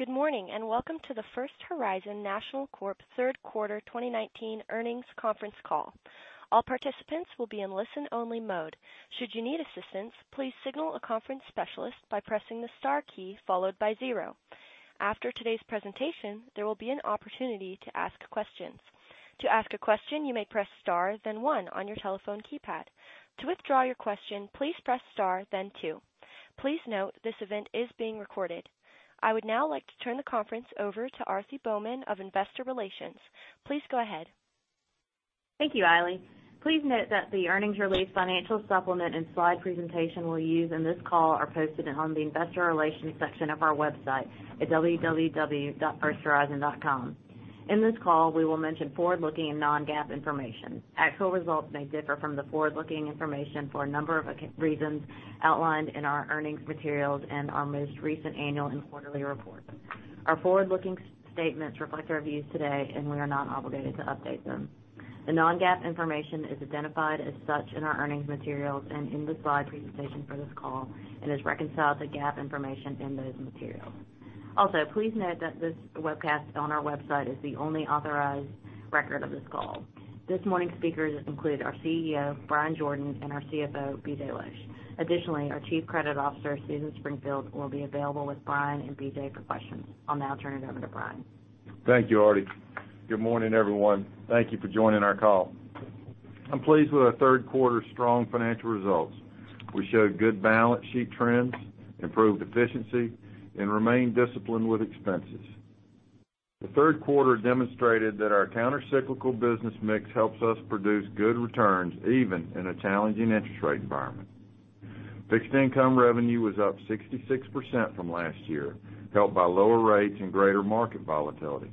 Good morning, welcome to the First Horizon National Corp third quarter 2019 earnings conference call. All participants will be in listen-only mode. Should you need assistance, please signal a conference specialist by pressing the star key followed by zero. After today's presentation, there will be an opportunity to ask questions. To ask a question, you may press star then one on your telephone keypad. To withdraw your question, please press star then two. Please note, this event is being recorded. I would now like to turn the conference over to Aarti Bowman of Investor Relations. Please go ahead. Thank you, Riley. Please note that the earnings release financial supplement and slide presentation we'll use in this call are posted on the investor relations section of our website at www.firsthorizon.com. In this call, we will mention forward-looking and non-GAAP information. Actual results may differ from the forward-looking information for a number of reasons outlined in our earnings materials and our most recent annual and quarterly reports. Our forward-looking statements reflect our views today, and we are not obligated to update them. The non-GAAP information is identified as such in our earnings materials and in the slide presentation for this call and is reconciled to GAAP information in those materials. Please note that this webcast on our website is the only authorized record of this call. This morning's speakers include our CEO, Bryan Jordan, and our CFO, BJ Losch. Additionally, our Chief Credit Officer, Susan Springfield, will be available with Bryan and BJ for questions. I'll now turn it over to Bryan. Thank you, Aarti. Good morning, everyone. Thank you for joining our call. I'm pleased with our third quarter strong financial results. We showed good balance sheet trends, improved efficiency, and remained disciplined with expenses. The third quarter demonstrated that our countercyclical business mix helps us produce good returns even in a challenging interest rate environment. Fixed income revenue was up 66% from last year, helped by lower rates and greater market volatility.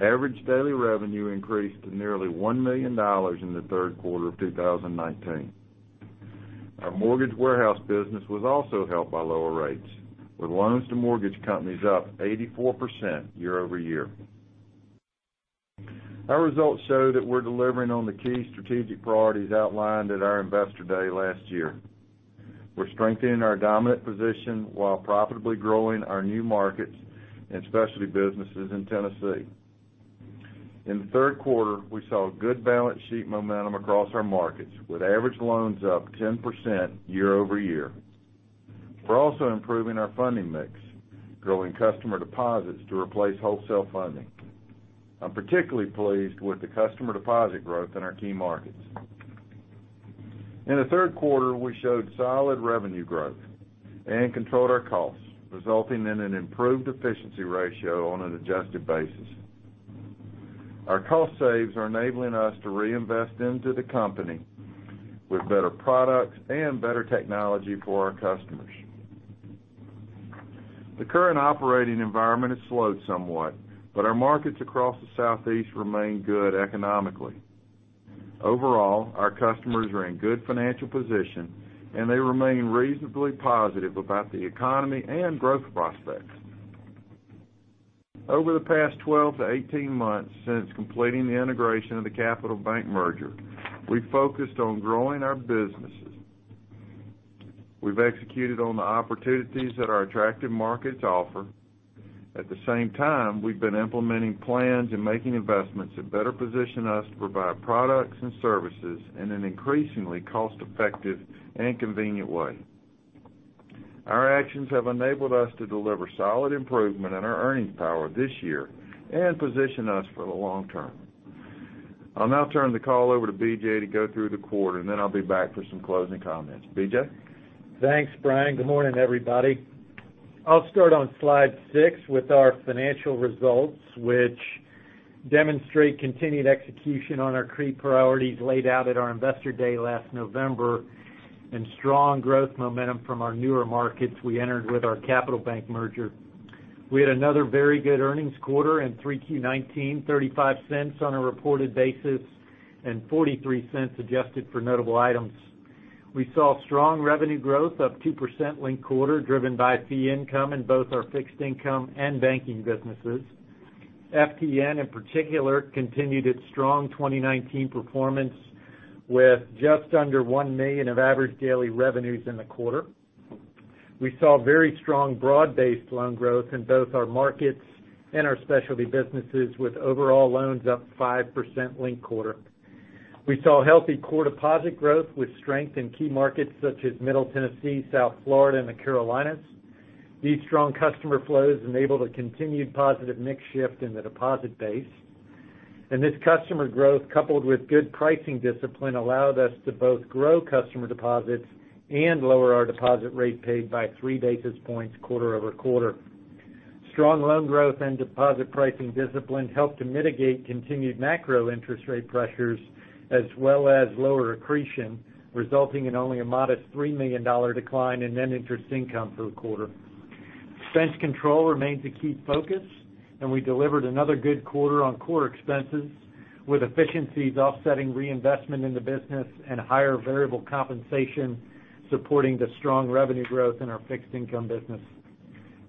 Average daily revenue increased to nearly $1 million in the third quarter of 2019. Our mortgage warehouse business was also helped by lower rates, with loans to mortgage companies up 84% year-over-year. Our results show that we're delivering on the key strategic priorities outlined at our Investor Day last year. We're strengthening our dominant position while profitably growing our new markets and specialty businesses in Tennessee. In the third quarter, we saw good balance sheet momentum across our markets, with average loans up 10% year-over-year. We're also improving our funding mix, growing customer deposits to replace wholesale funding. I'm particularly pleased with the customer deposit growth in our key markets. In the third quarter, we showed solid revenue growth and controlled our costs, resulting in an improved efficiency ratio on an adjusted basis. Our cost saves are enabling us to reinvest into the company with better products and better technology for our customers. The current operating environment has slowed somewhat, but our markets across the Southeast remain good economically. Overall, our customers are in good financial position, and they remain reasonably positive about the economy and growth prospects. Over the past 12-18 months since completing the integration of the Capital Bank merger, we focused on growing our businesses. We've executed on the opportunities that our attractive markets offer. At the same time, we've been implementing plans and making investments that better position us to provide products and services in an increasingly cost-effective and convenient way. Our actions have enabled us to deliver solid improvement in our earnings power this year and position us for the long term. I'll now turn the call over to BJ to go through the quarter, and then I'll be back for some closing comments. BJ? Thanks, Bryan. Good morning, everybody. I'll start on slide six with our financial results, which demonstrate continued execution on our key priorities laid out at our Investor Day last November and strong growth momentum from our newer markets we entered with our Capital Bank merger. We had another very good earnings quarter in 3Q 2019, $0.35 on a reported basis and $0.43 adjusted for notable items. We saw strong revenue growth of 2% linked quarter, driven by fee income in both our fixed income and banking businesses. FTN, in particular, continued its strong 2019 performance with just under $1 million of average daily revenues in the quarter. We saw very strong broad-based loan growth in both our markets and our specialty businesses, with overall loans up 5% linked quarter. We saw healthy core deposit growth with strength in key markets such as Middle Tennessee, South Florida, and the Carolinas. These strong customer flows enabled a continued positive mix shift in the deposit base. This customer growth, coupled with good pricing discipline, allowed us to both grow customer deposits and lower our deposit rate paid by three basis points quarter-over-quarter. Strong loan growth and deposit pricing discipline helped to mitigate continued macro interest rate pressures as well as lower accretion, resulting in only a modest $3 million decline in net interest income for the quarter. Expense control remained a key focus, and we delivered another good quarter on core expenses, with efficiencies offsetting reinvestment in the business and higher variable compensation supporting the strong revenue growth in our fixed income business.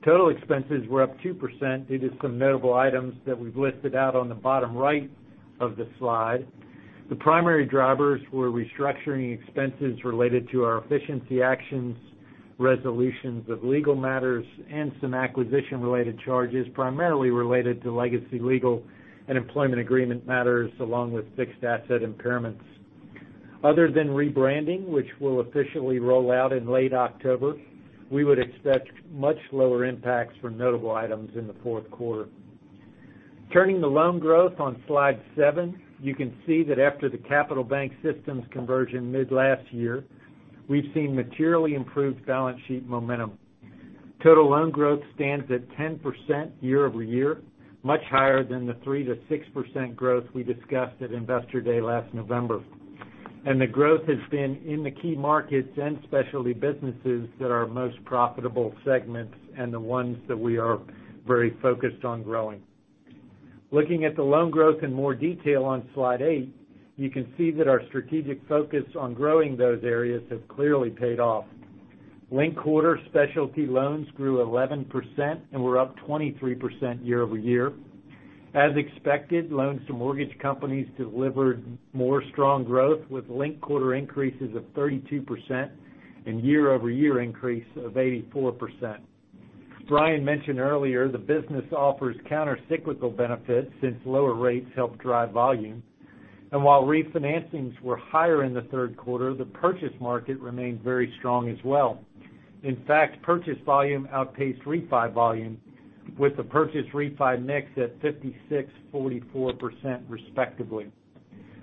Total expenses were up 2% due to some notable items that we've listed out on the bottom right of the slide. The primary drivers were restructuring expenses related to our efficiency actions, resolutions of legal matters, and some acquisition-related charges, primarily related to legacy legal and employment agreement matters, along with fixed asset impairments. Other than rebranding, which we'll officially roll out in late October, we would expect much lower impacts for notable items in the fourth quarter. Turning to loan growth on Slide seven, you can see that after the Capital Bank systems conversion mid last year, we've seen materially improved balance sheet momentum. Total loan growth stands at 10% year-over-year, much higher than the 3%-6% growth we discussed at Investor Day last November. The growth has been in the key markets and specialty businesses that are our most profitable segments and the ones that we are very focused on growing. Looking at the loan growth in more detail on Slide eight, you can see that our strategic focus on growing those areas has clearly paid off. Linked quarter specialty loans grew 11% and were up 23% year-over-year. As expected, loans to mortgage companies delivered more strong growth with linked quarter increases of 32% and year-over-year increase of 84%. Bryan mentioned earlier, the business offers counter-cyclical benefits since lower rates help drive volume. While refinancings were higher in the third quarter, the purchase market remained very strong as well. In fact, purchase volume outpaced refi volume with the purchase refi mix at 56%, 44%, respectively.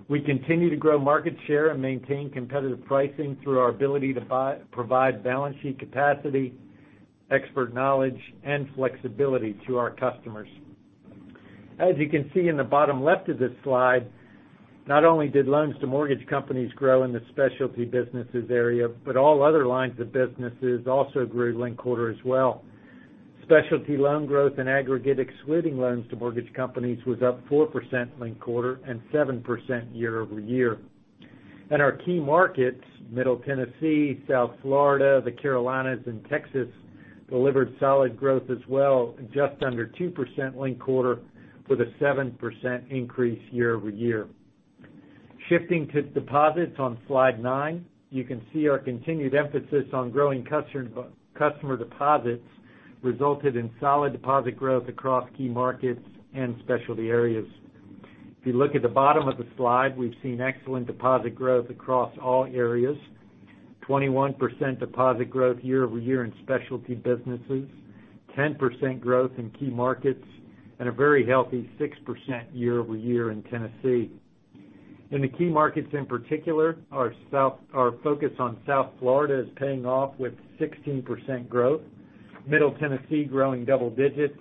We continue to grow market share and maintain competitive pricing through our ability to provide balance sheet capacity, expert knowledge, and flexibility to our customers. As you can see in the bottom left of this slide, not only did loans to mortgage companies grow in the specialty businesses area, but all other lines of businesses also grew linked quarter as well. Specialty loan growth in aggregate excluding loans to mortgage companies was up 4% linked quarter and 7% year-over-year. Our key markets, Middle Tennessee, South Florida, the Carolinas, and Texas, delivered solid growth as well, just under 2% linked quarter with a 7% increase year-over-year. Shifting to deposits on Slide nine, you can see our continued emphasis on growing customer deposits resulted in solid deposit growth across key markets and specialty areas. If you look at the bottom of the slide, we've seen excellent deposit growth across all areas. 21% deposit growth year-over-year in specialty businesses, 10% growth in key markets, and a very healthy 6% year-over-year in Tennessee. In the key markets in particular, our focus on South Florida is paying off with 16% growth, Middle Tennessee growing double digits,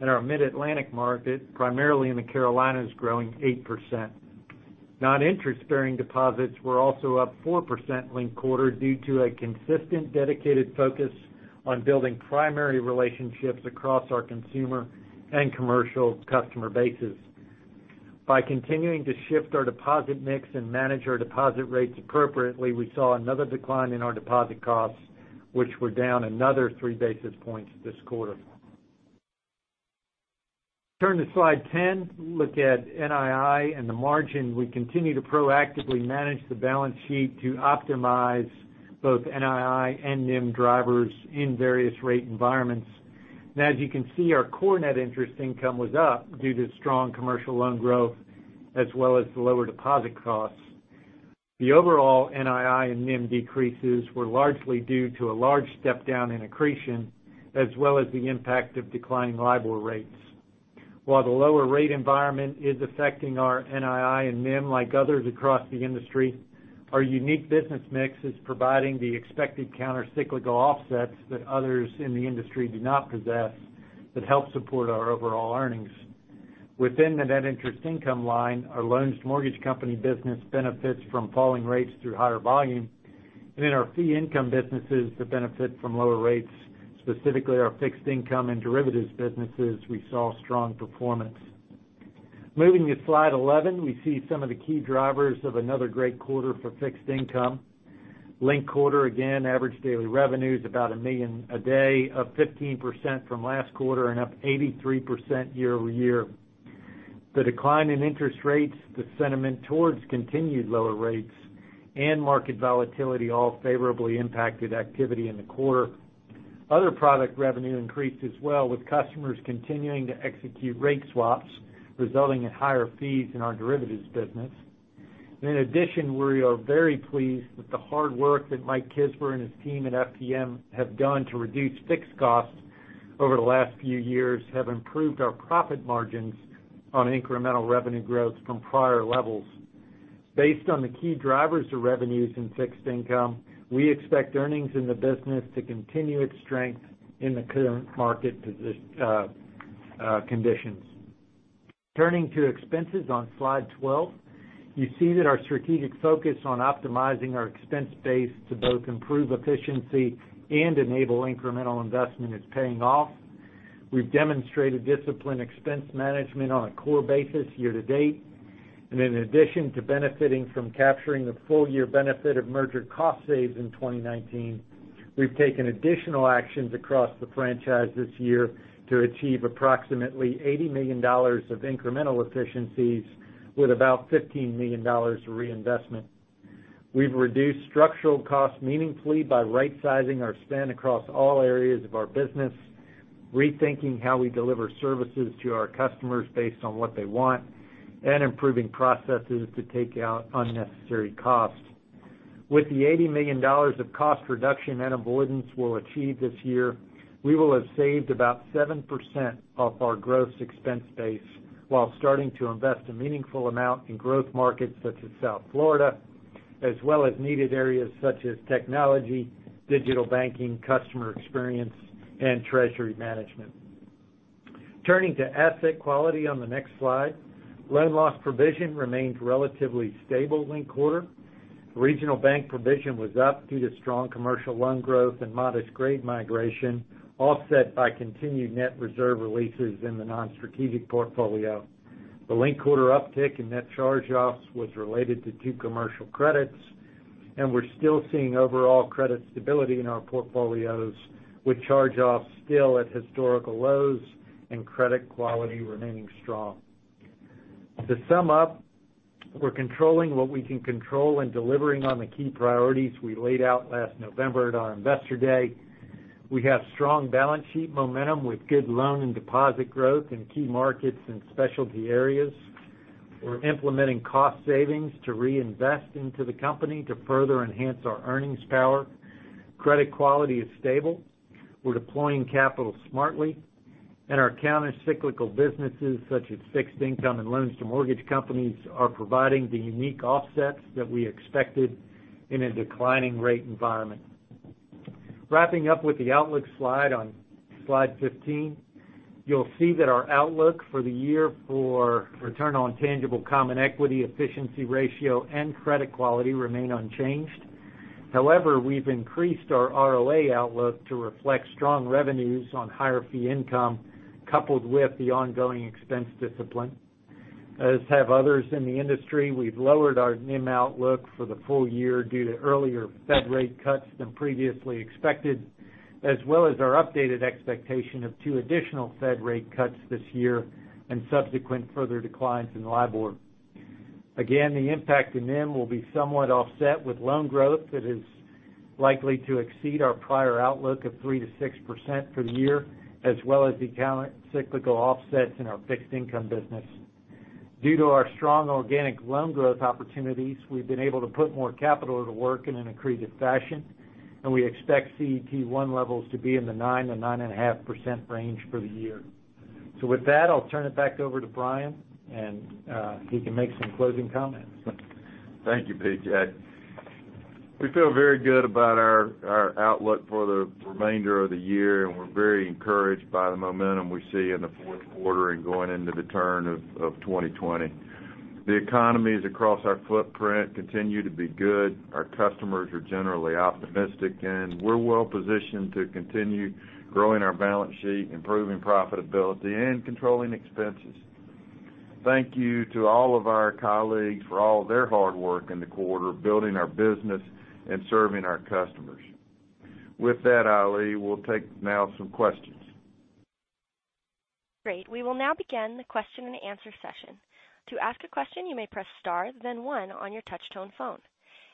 and our Mid-Atlantic market, primarily in the Carolinas, growing 8%. Non-interest-bearing deposits were also up 4% linked quarter due to a consistent dedicated focus on building primary relationships across our consumer and commercial customer bases. By continuing to shift our deposit mix and manage our deposit rates appropriately, we saw another decline in our deposit costs, which were down another three basis points this quarter. Turn to Slide 10, look at NII and the margin. We continue to proactively manage the balance sheet to optimize both NII and NIM drivers in various rate environments. As you can see, our core net interest income was up due to strong commercial loan growth, as well as the lower deposit costs. The overall NII and NIM decreases were largely due to a large step-down in accretion, as well as the impact of declining LIBOR rates. While the lower rate environment is affecting our NII and NIM like others across the industry, our unique business mix is providing the expected counter-cyclical offsets that others in the industry do not possess that help support our overall earnings. Within the net interest income line, our loans to mortgage company business benefits from falling rates through higher volume. In our fee income businesses that benefit from lower rates, specifically our fixed income and derivatives businesses, we saw strong performance. Moving to slide 11, we see some of the key drivers of another great quarter for fixed income. Linked quarter, again, average daily revenues, about $1 million a day, up 15% from last quarter and up 83% year-over-year. The decline in interest rates, the sentiment towards continued lower rates, and market volatility all favorably impacted activity in the quarter. Other product revenue increased as well with customers continuing to execute rate swaps, resulting in higher fees in our derivatives business. We are very pleased with the hard work that Mike Kisber and his team at FTN have done to reduce fixed costs over the last few years have improved our profit margins on incremental revenue growth from prior levels. Based on the key drivers to revenues in fixed income, we expect earnings in the business to continue its strength in the current market conditions. Turning to expenses on slide 12, you see that our strategic focus on optimizing our expense base to both improve efficiency and enable incremental investment is paying off. We've demonstrated disciplined expense management on a core basis year to date. In addition to benefiting from capturing the full year benefit of merger cost saves in 2019, we've taken additional actions across the franchise this year to achieve approximately $80 million of incremental efficiencies with about $15 million of reinvestment. We've reduced structural costs meaningfully by right-sizing our spend across all areas of our business, rethinking how we deliver services to our customers based on what they want, and improving processes to take out unnecessary costs. With the $80 million of cost reduction and avoidance we'll achieve this year, we will have saved about 7% of our gross expense base while starting to invest a meaningful amount in growth markets such as South Florida, as well as needed areas such as technology, digital banking, customer experience, and treasury management. Turning to asset quality on the next slide. Loan loss provision remained relatively stable linked quarter. Regional bank provision was up due to strong commercial loan growth and modest grade migration, offset by continued net reserve releases in the non-strategic portfolio. The linked quarter uptick in net charge-offs was related to two commercial credits, and we're still seeing overall credit stability in our portfolios, with charge-offs still at historical lows and credit quality remaining strong. To sum up, we're controlling what we can control and delivering on the key priorities we laid out last November at our Investor Day. We have strong balance sheet momentum with good loan and deposit growth in key markets and specialty areas. We're implementing cost savings to reinvest into the company to further enhance our earnings power. Credit quality is stable. We're deploying capital smartly. Our counter-cyclical businesses such as fixed income and loans to mortgage companies are providing the unique offsets that we expected in a declining rate environment. Wrapping up with the outlook slide on slide 15, you'll see that our outlook for the year for return on tangible common equity, efficiency ratio, and credit quality remain unchanged. We've increased our ROA outlook to reflect strong revenues on higher fee income, coupled with the ongoing expense discipline. As have others in the industry, we've lowered our NIM outlook for the full year due to earlier Fed rate cuts than previously expected, as well as our updated expectation of two additional Fed rate cuts this year and subsequent further declines in LIBOR. The impact in NIM will be somewhat offset with loan growth that is likely to exceed our prior outlook of 3%-6% for the year, as well as the counter-cyclical offsets in our fixed income business. Due to our strong organic loan growth opportunities, we've been able to put more capital to work in an accretive fashion, and we expect CET1 levels to be in the 9%-9.5% range for the year. I'll turn it back over to Bryan, and he can make some closing comments. Thank you, BJ. We feel very good about our outlook for the remainder of the year, and we're very encouraged by the momentum we see in the fourth quarter and going into the turn of 2020. The economies across our footprint continue to be good. Our customers are generally optimistic, and we're well-positioned to continue growing our balance sheet, improving profitability, and controlling expenses. Thank you to all of our colleagues for all their hard work in the quarter of building our business and serving our customers. With that, Allie, we'll take now some questions. Great. We will now begin the question and answer session. To ask a question, you may press star, then one on your touch-tone phone.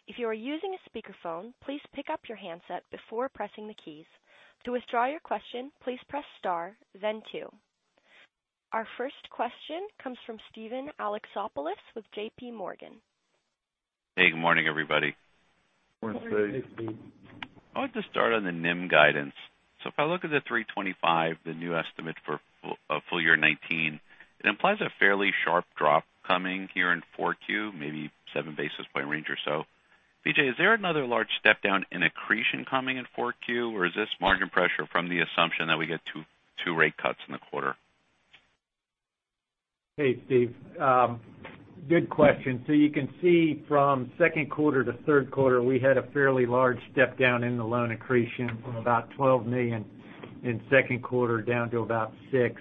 If you are using a speakerphone, please pick up your handset before pressing the keys. To withdraw your question, please press star, then two. Our first question comes from Steven Alexopoulos with JPMorgan. Hey, good morning, everybody. Morning, Steve. Morning, Steve. I want to start on the NIM guidance. If I look at the 325, the new estimate for full year 2019, it implies a fairly sharp drop coming here in 4Q, maybe seven basis point range or so. BJ, is there another large step down in accretion coming in 4Q, or is this margin pressure from the assumption that we get two rate cuts in the quarter? Hey, Steven. Good question. You can see from second quarter to third quarter, we had a fairly large step down in the loan accretion from about $12 million in second quarter down to about $6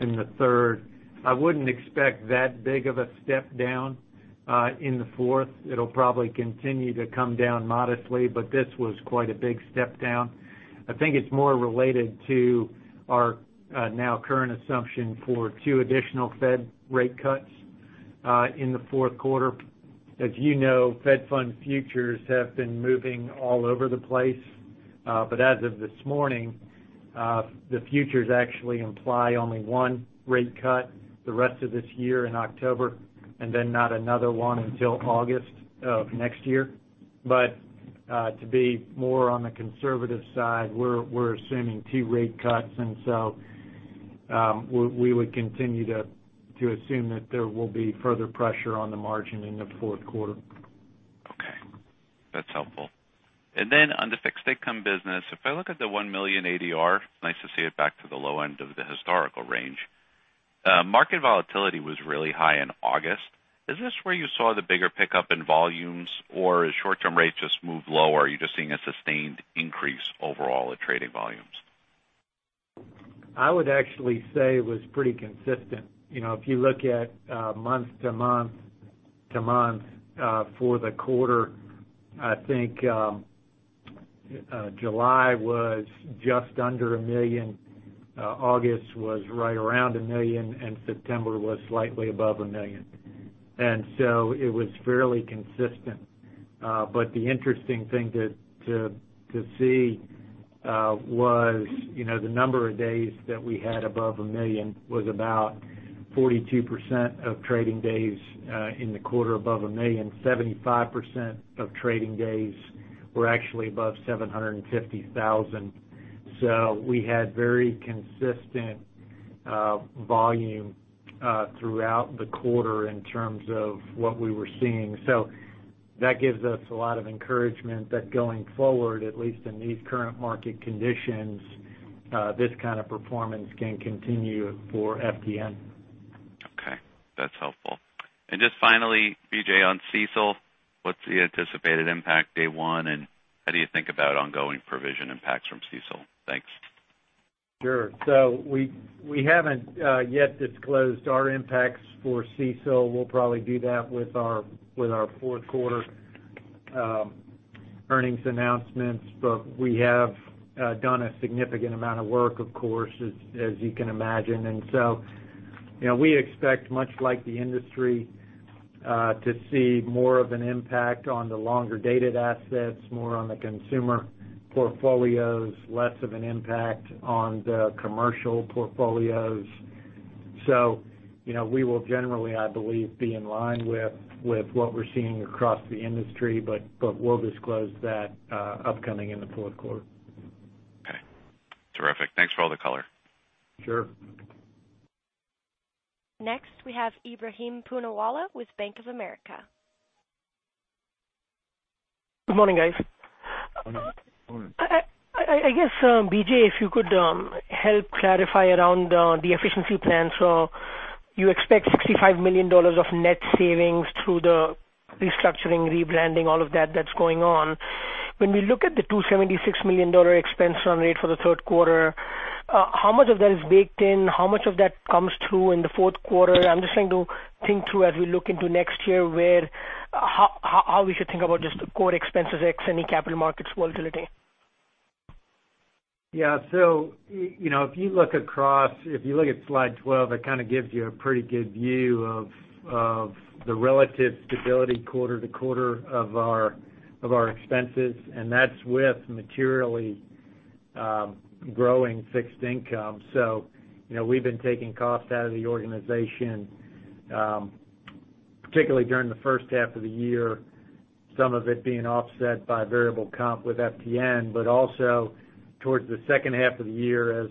in the third. I wouldn't expect that big of a step down in the fourth. It'll probably continue to come down modestly, but this was quite a big step down. I think it's more related to our now current assumption for two additional Fed rate cuts in the fourth quarter. As you know, Fed funds futures have been moving all over the place. As of this morning, the futures actually imply only one rate cut the rest of this year in October, and then not another one until August of next year. To be more on the conservative side, we're assuming two rate cuts. We would continue to assume that there will be further pressure on the margin in the fourth quarter. Okay. That's helpful. Then on the fixed income business, if I look at the $1 million ADR, nice to see it back to the low end of the historical range. Market volatility was really high in August. Is this where you saw the bigger pickup in volumes, or as short-term rates just moved lower, are you just seeing a sustained increase overall at trading volumes? I would actually say it was pretty consistent. If you look at month to month to month for the quarter, I think July was just under $1 million, August was right around $1 million, and September was slightly above $1 million. It was fairly consistent. The interesting thing to see was the number of days that we had above $1 million was about 42% of trading days in the quarter above $1 million. 75% of trading days were actually above $750,000. We had very consistent volume throughout the quarter in terms of what we were seeing. That gives us a lot of encouragement that going forward, at least in these current market conditions, this kind of performance can continue for FTN. Okay, that's helpful. Just finally, BJ, on CECL, what's the anticipated impact day one, and how do you think about ongoing provision impacts from CECL? Thanks. Sure. We haven't yet disclosed our impacts for CECL. We'll probably do that with our fourth quarter earnings announcements. We have done a significant amount of work, of course, as you can imagine. We expect, much like the industry, to see more of an impact on the longer-dated assets, more on the consumer portfolios, less of an impact on the commercial portfolios. We will generally, I believe, be in line with what we're seeing across the industry, but we'll disclose that upcoming in the fourth quarter. Okay, terrific. Thanks for all the color. Sure. Next, we have Ebrahim Poonawala with Bank of America. Good morning, guys. Good morning. I guess, BJ, if you could help clarify around the efficiency plan. You expect $65 million of net savings through the restructuring, rebranding, all of that that's going on. When we look at the $276 million expense run rate for the third quarter, how much of that is baked in? How much of that comes through in the fourth quarter? I'm just trying to think through as we look into next year, how we should think about just the core expenses, ex any capital markets volatility. Yeah so, If you look at slide 12, it kind of gives you a pretty good view of the relative stability quarter-over-quarter of our expenses, and that's with materially growing fixed income. We've been taking costs out of the organization, particularly during the first half of the year, some of it being offset by variable comp with FTN, but also towards the second half of the year, as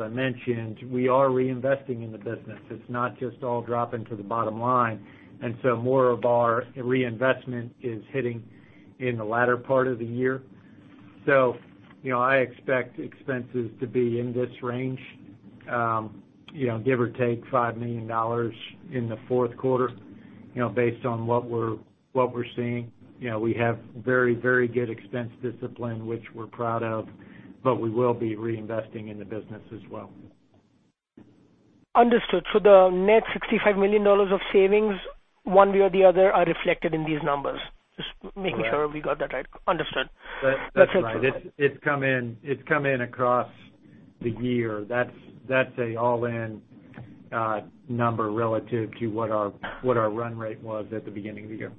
I mentioned, we are reinvesting in the business. It's not just all dropping to the bottom line. More of our reinvestment is hitting in the latter part of the year. I expect expenses to be in this range, give or take $5 million in the fourth quarter, based on what we're seeing. We have very good expense discipline, which we're proud of, but we will be reinvesting in the business as well. Understood. The net $65 million of savings, one way or the other, are reflected in these numbers. Just making sure we got that right. Understood. That's right. It's come in across the year. That's a all-in number relative to what our run rate was at the beginning of the year.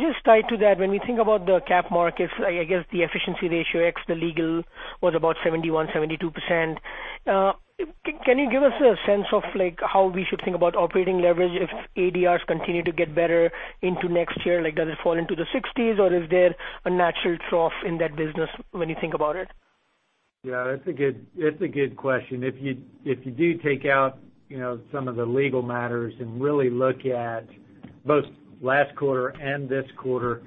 Just tied to that, when we think about the cap markets, I guess the efficiency ratio ex the legal was about 71%, 72%. Can you give us a sense of how we should think about operating leverage if ADRs continue to get better into next year? Like, does it fall into the 60%s, or is there a natural trough in that business when you think about it? Yeah, that's a good question. If you do take out some of the legal matters and really look at both last quarter and this quarter,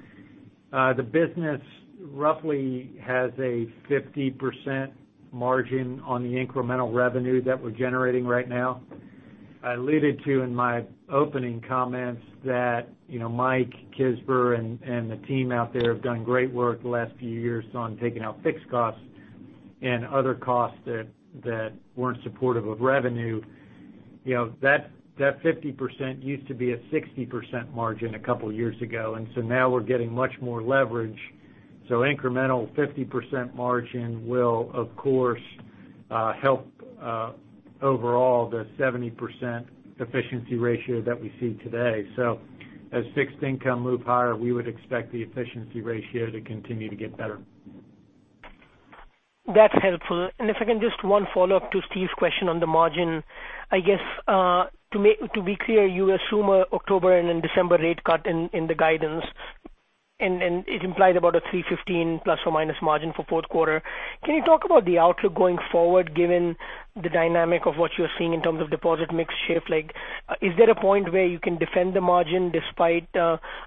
the business roughly has a 50% margin on the incremental revenue that we're generating right now. I alluded to in my opening comments that Michael Kisber and the team out there have done great work the last few years on taking out fixed costs and other costs that weren't supportive of revenue. That 50% used to be a 60% margin a couple of years ago. Now we're getting much more leverage. Incremental 50% margin will, of course, help overall the 70% efficiency ratio that we see today. As fixed income move higher, we would expect the efficiency ratio to continue to get better. That's helpful. If I can, just one follow-up to Steve's question on the margin. I guess, to be clear, you assume a October and then December rate cut in the guidance, and it implied about a 315± margin for fourth quarter. Can you talk about the outlook going forward, given the dynamic of what you're seeing in terms of deposit mix shift? Is there a point where you can defend the margin despite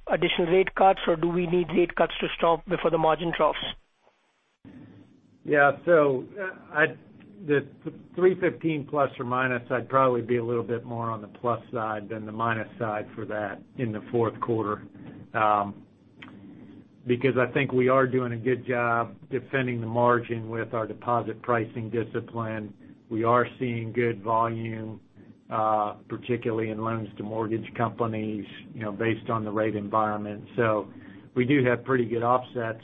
additional rate cuts, or do we need rate cuts to stop before the margin troughs? The 315 ±, I'd probably be a little bit more on the plus side than the minus side for that in the fourth quarter because I think we are doing a good job defending the margin with our deposit pricing discipline. We are seeing good volume, particularly in loans to mortgage companies based on the rate environment. We do have pretty good offsets,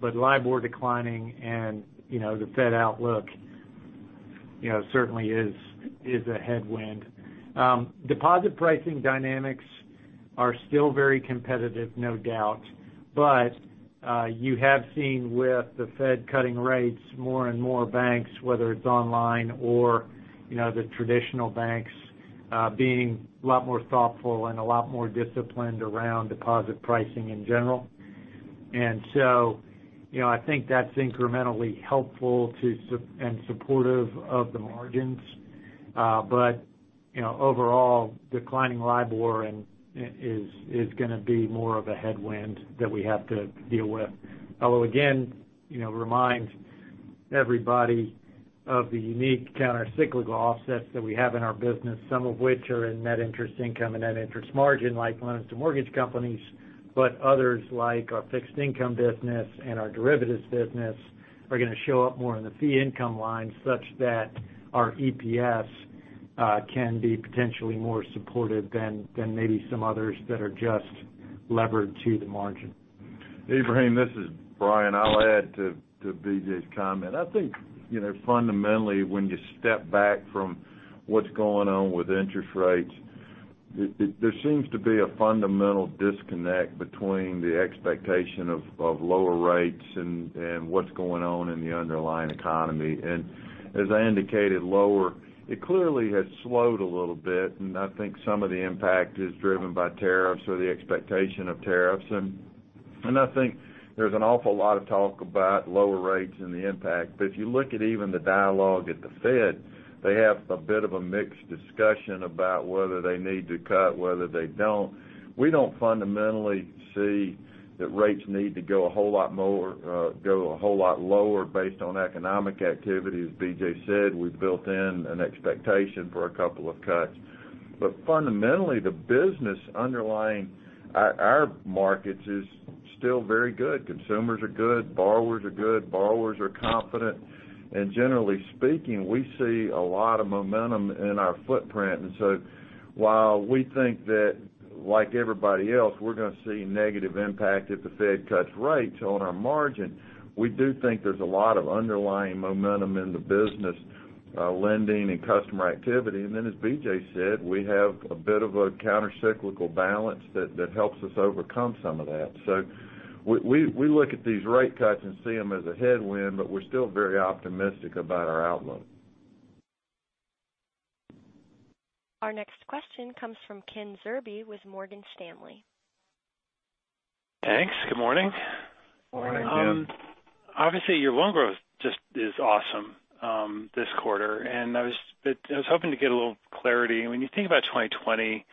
LIBOR declining and the Fed outlook certainly is a headwind. Deposit pricing dynamics are still very competitive, no doubt. You have seen with the Fed cutting rates more and more banks, whether it's online or the traditional banks, being a lot more thoughtful and a lot more disciplined around deposit pricing in general. I think that's incrementally helpful and supportive of the margins. Overall, declining LIBOR is going to be more of a headwind that we have to deal with. I will, again, remind everybody of the unique countercyclical offsets that we have in our business, some of which are in net interest income and net interest margin, like loans to mortgage companies. Others, like our fixed income business and our derivatives business, are going to show up more in the fee income line such that our EPS can be potentially more supportive than maybe some others that are just levered to the margin. Ebrahim, this is Bryan. I'll add to BJ's comment. I think fundamentally, when you step back from what's going on with interest rates, there seems to be a fundamental disconnect between the expectation of lower rates and what's going on in the underlying economy. As I indicated lower, it clearly has slowed a little bit, and I think some of the impact is driven by tariffs or the expectation of tariffs. I think there's an awful lot of talk about lower rates and the impact. If you look at even the dialogue at the Fed, they have a bit of a mixed discussion about whether they need to cut, whether they don't. We don't fundamentally see that rates need to go a whole lot lower based on economic activity. As BJ said, we've built in an expectation for a couple of cuts. Fundamentally, the business underlying our markets is still very good. Consumers are good, borrowers are good, borrowers are confident, and generally speaking, we see a lot of momentum in our footprint. While we think that, like everybody else, we're going to see negative impact if the Fed cuts rates on our margin, we do think there's a lot of underlying momentum in the business lending and customer activity. As BJ said, we have a bit of a countercyclical balance that helps us overcome some of that. We look at these rate cuts and see them as a headwind, but we're still very optimistic about our outlook. Our next question comes from Ken Zerbe with Morgan Stanley. Thanks. Good morning. Morning, Ken. Morning. Your loan growth just is awesome this quarter. I was hoping to get a little clarity. When you think about 2020,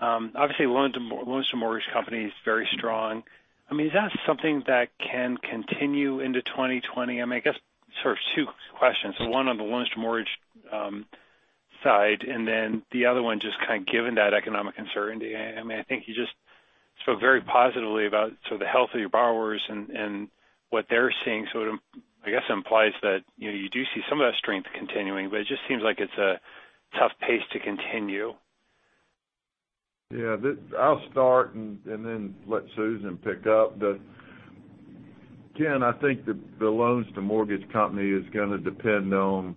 obviously loans to mortgage companies, very strong. Is that something that can continue into 2020? I guess sort of two questions. One on the loans to mortgage side, the other one, just kind of given that economic uncertainty. I think you just spoke very positively about the health of your borrowers and what they're seeing. I guess implies that you do see some of that strength continuing. It just seems like it's a tough pace to continue. I'll start and then let Susan pick up. Ken, I think the loans to mortgage company is going to depend on,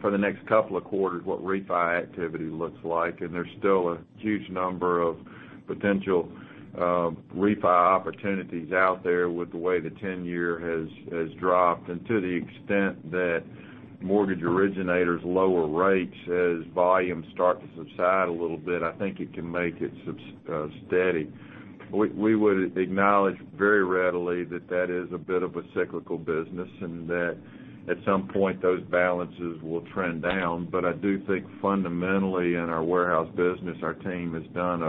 for the next couple of quarters, what refi activity looks like, and there's still a huge number of potential refi opportunities out there with the way the 10-year has dropped. To the extent that mortgage originators lower rates as volumes start to subside a little bit, I think it can make it steady. We would acknowledge very readily that is a bit of a cyclical business, and that at some point those balances will trend down. I do think fundamentally in our warehouse business, our team has done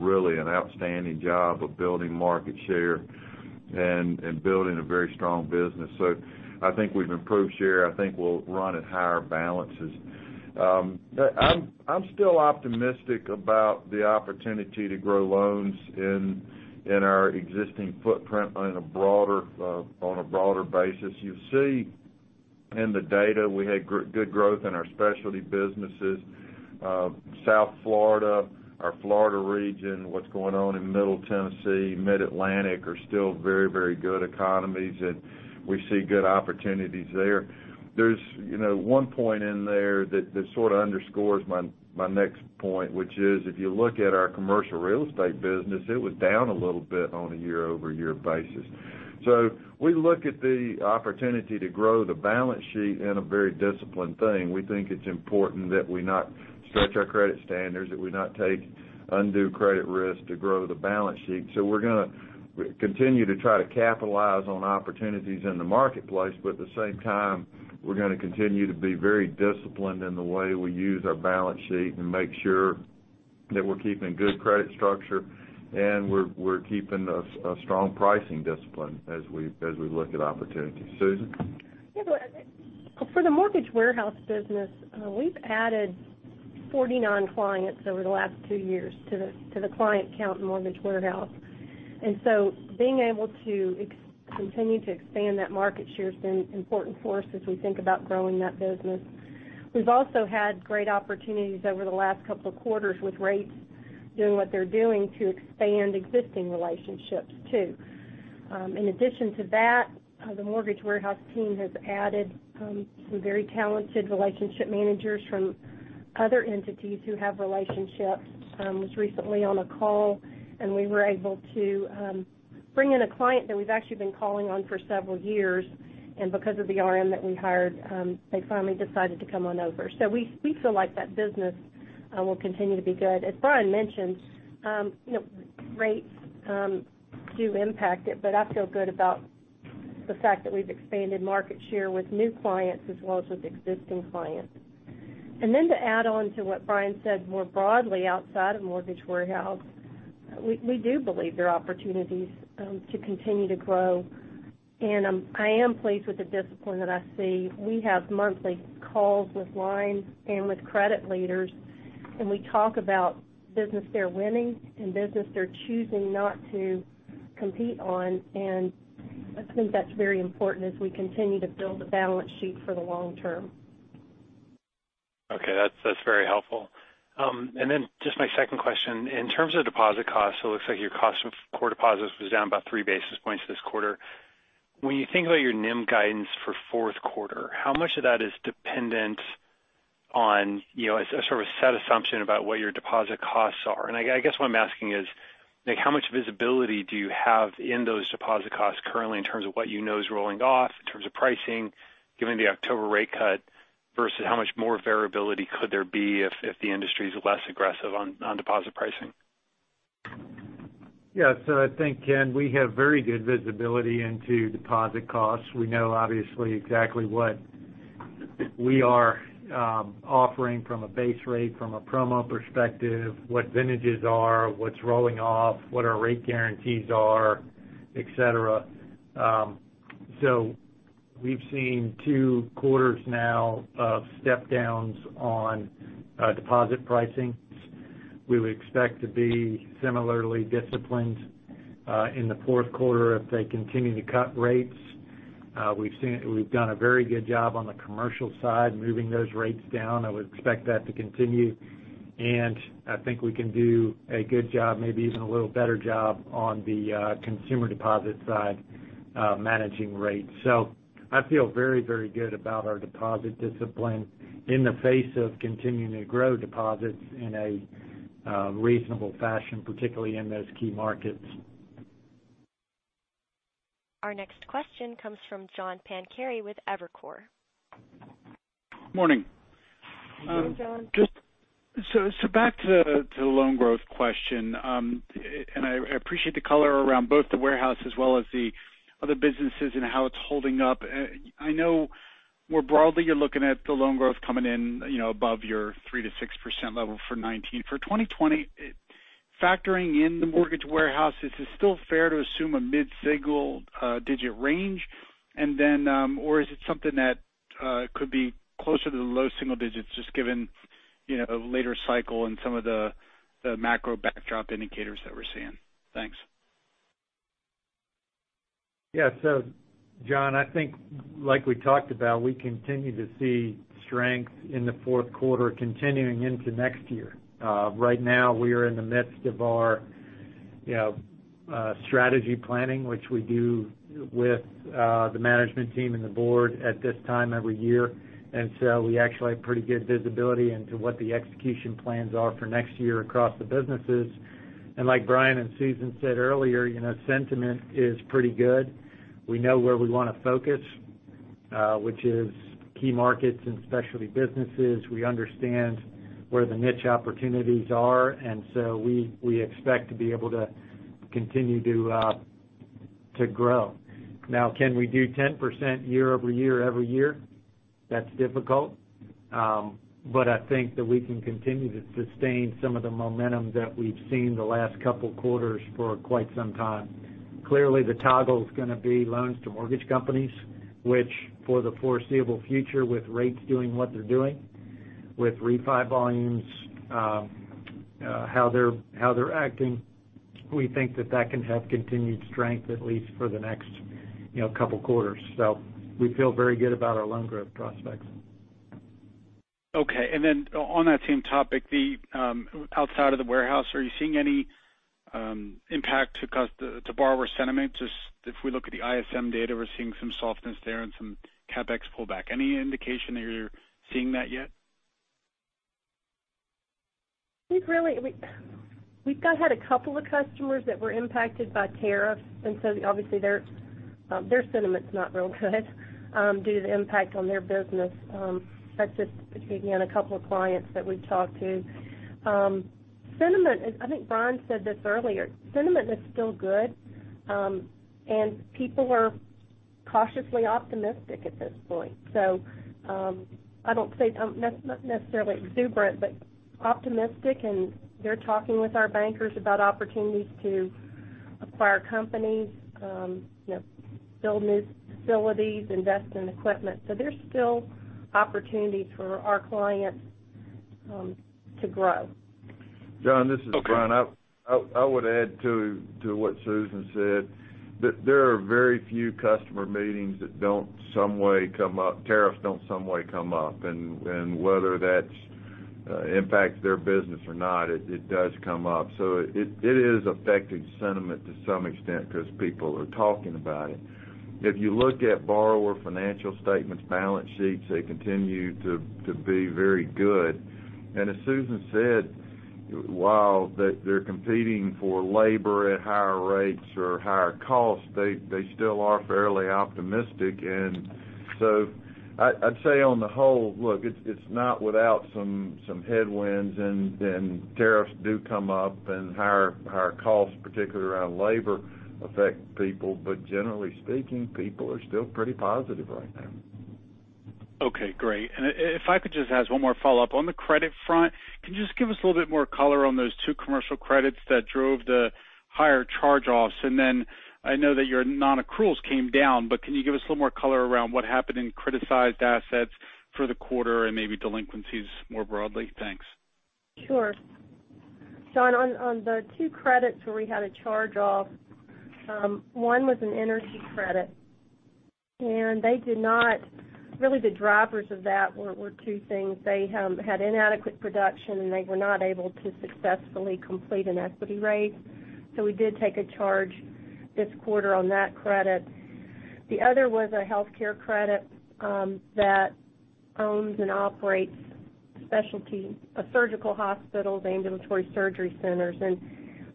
really an outstanding job of building market share and building a very strong business. I think we've improved share. I think we'll run at higher balances. I'm still optimistic about the opportunity to grow loans in our existing footprint on a broader basis. You see in the data, we had good growth in our specialty businesses. South Florida, our Florida region, what's going on in Middle Tennessee, Mid-Atlantic are still very good economies. We see good opportunities there. There's one point in there that sort of underscores my next point, which is if you look at our commercial real estate business, it was down a little bit on a year-over-year basis. We look at the opportunity to grow the balance sheet in a very disciplined thing. We think it's important that we not stretch our credit standards, that we not take undue credit risk to grow the balance sheet. We're going to continue to try to capitalize on opportunities in the marketplace. At the same time, we're going to continue to be very disciplined in the way we use our balance sheet and make sure that we're keeping good credit structure and we're keeping a strong pricing discipline as we look at opportunities. Susan? Yeah. For the mortgage warehouse business, we've added 49 clients over the last two years to the client count in mortgage warehouse. Being able to continue to expand that market share has been important for us as we think about growing that business. We've also had great opportunities over the last couple of quarters with rates doing what they're doing to expand existing relationships, too. In addition to that, the mortgage warehouse team has added some very talented relationship managers from other entities who have relationships. I was recently on a call, and we were able to bring in a client that we've actually been calling on for several years. Because of the RM that we hired, they finally decided to come on over. We feel like that business will continue to be good. As Bryan mentioned, rates do impact it, but I feel good about the fact that we've expanded market share with new clients as well as with existing clients. To add on to what Bryan said more broadly outside of mortgage warehouse, we do believe there are opportunities to continue to grow. I am pleased with the discipline that I see. We have monthly calls with lines and with credit leaders, and we talk about business they're winning and business they're choosing not to compete on. I think that's very important as we continue to build a balance sheet for the long term. Okay. That's very helpful. Just my second question. In terms of deposit costs, it looks like your cost of core deposits was down about three basis points this quarter. When you think about your NIM guidance for fourth quarter, how much of that is dependent on a sort of set assumption about what your deposit costs are? I guess what I'm asking is, how much visibility do you have in those deposit costs currently in terms of what you know is rolling off in terms of pricing, given the October rate cut, versus how much more variability could there be if the industry is less aggressive on deposit pricing? Yeah. I think, Ken, we have very good visibility into deposit costs. We know obviously exactly what we are offering from a base rate, from a promo perspective, what vintages are, what's rolling off, what our rate guarantees are, et cetera. We've seen two quarters now of step downs on deposit pricing. We would expect to be similarly disciplined in the fourth quarter if they continue to cut rates. We've done a very good job on the commercial side, moving those rates down. I would expect that to continue, and I think we can do a good job, maybe even a little better job on the consumer deposit side, managing rates. I feel very good about our deposit discipline in the face of continuing to grow deposits in a reasonable fashion, particularly in those key markets. Our next question comes from John Pancari with Evercore. Morning. Good morning, John. Back to the loan growth question. I appreciate the color around both the warehouse as well as the other businesses and how it's holding up. I know more broadly, you're looking at the loan growth coming in above your 3%-6% level for 2019. For 2020, factoring in the mortgage warehouse, is it still fair to assume a mid-single digit range? Or is it something that could be closer to the low single digits, just given a later cycle and some of the macro backdrop indicators that we're seeing? Thanks. Yeah. John, I think like we talked about, we continue to see strength in the fourth quarter continuing into next year. Right now, we are in the midst of our strategy planning, which we do with the management team and the board at this time every year. We actually have pretty good visibility into what the execution plans are for next year across the businesses. Like Bryan and Susan said earlier, sentiment is pretty good. We know where we want to focus, which is key markets and specialty businesses. We understand where the niche opportunities are. We expect to be able to continue to grow. Now, can we do 10% year-over-year, every year? That's difficult. I think that we can continue to sustain some of the momentum that we've seen the last couple quarters for quite some time. Clearly, the toggle is going to be loans to mortgage companies, which for the foreseeable future, with rates doing what they're doing, with refi volumes, how they're acting, we think that that can have continued strength, at least for the next couple of quarters. We feel very good about our loan growth prospects. Okay. On that same topic, outside of the warehouse, are you seeing any impact to borrower sentiment? If we look at the ISM data, we're seeing some softness there and some CapEx pullback. Any indication that you're seeing that yet? We've had two customers that were impacted by tariffs, obviously their sentiment's not real good due to the impact on their business. That's just between me and two clients that we've talked to. I think Bryan said this earlier, sentiment is still good, people are cautiously optimistic at this point. I don't say necessarily exuberant, but optimistic, they're talking with our bankers about opportunities to acquire companies, build new facilities, invest in equipment. There's still opportunities for our clients to grow. John, this is Bryan. I would add to what Susan said, that there are very few customer meetings that tariffs don't some way come up. Whether that impacts their business or not, it does come up. It is affecting sentiment to some extent because people are talking about it. If you look at borrower financial statements, balance sheets, they continue to be very good. As Susan said, while they're competing for labor at higher rates or higher costs, they still are fairly optimistic. I'd say on the whole, look, it's not without some headwinds and tariffs do come up and higher costs, particularly around labor, affect people. Generally speaking, people are still pretty positive right now. Okay, great. If I could just ask one more follow-up. On the credit front, can you just give us a little bit more color on those two commercial credits that drove the higher charge-offs? I know that your non-accruals came down, but can you give us a little more color around what happened in criticized assets for the quarter and maybe delinquencies more broadly? Thanks. Sure. John, on the two credits where we had a charge-off, one was an energy credit. Really the drivers of that were two things. They had inadequate production, and they were not able to successfully complete an equity raise. We did take a charge this quarter on that credit. The other was a healthcare credit that owns and operates surgical hospitals, ambulatory surgery centers.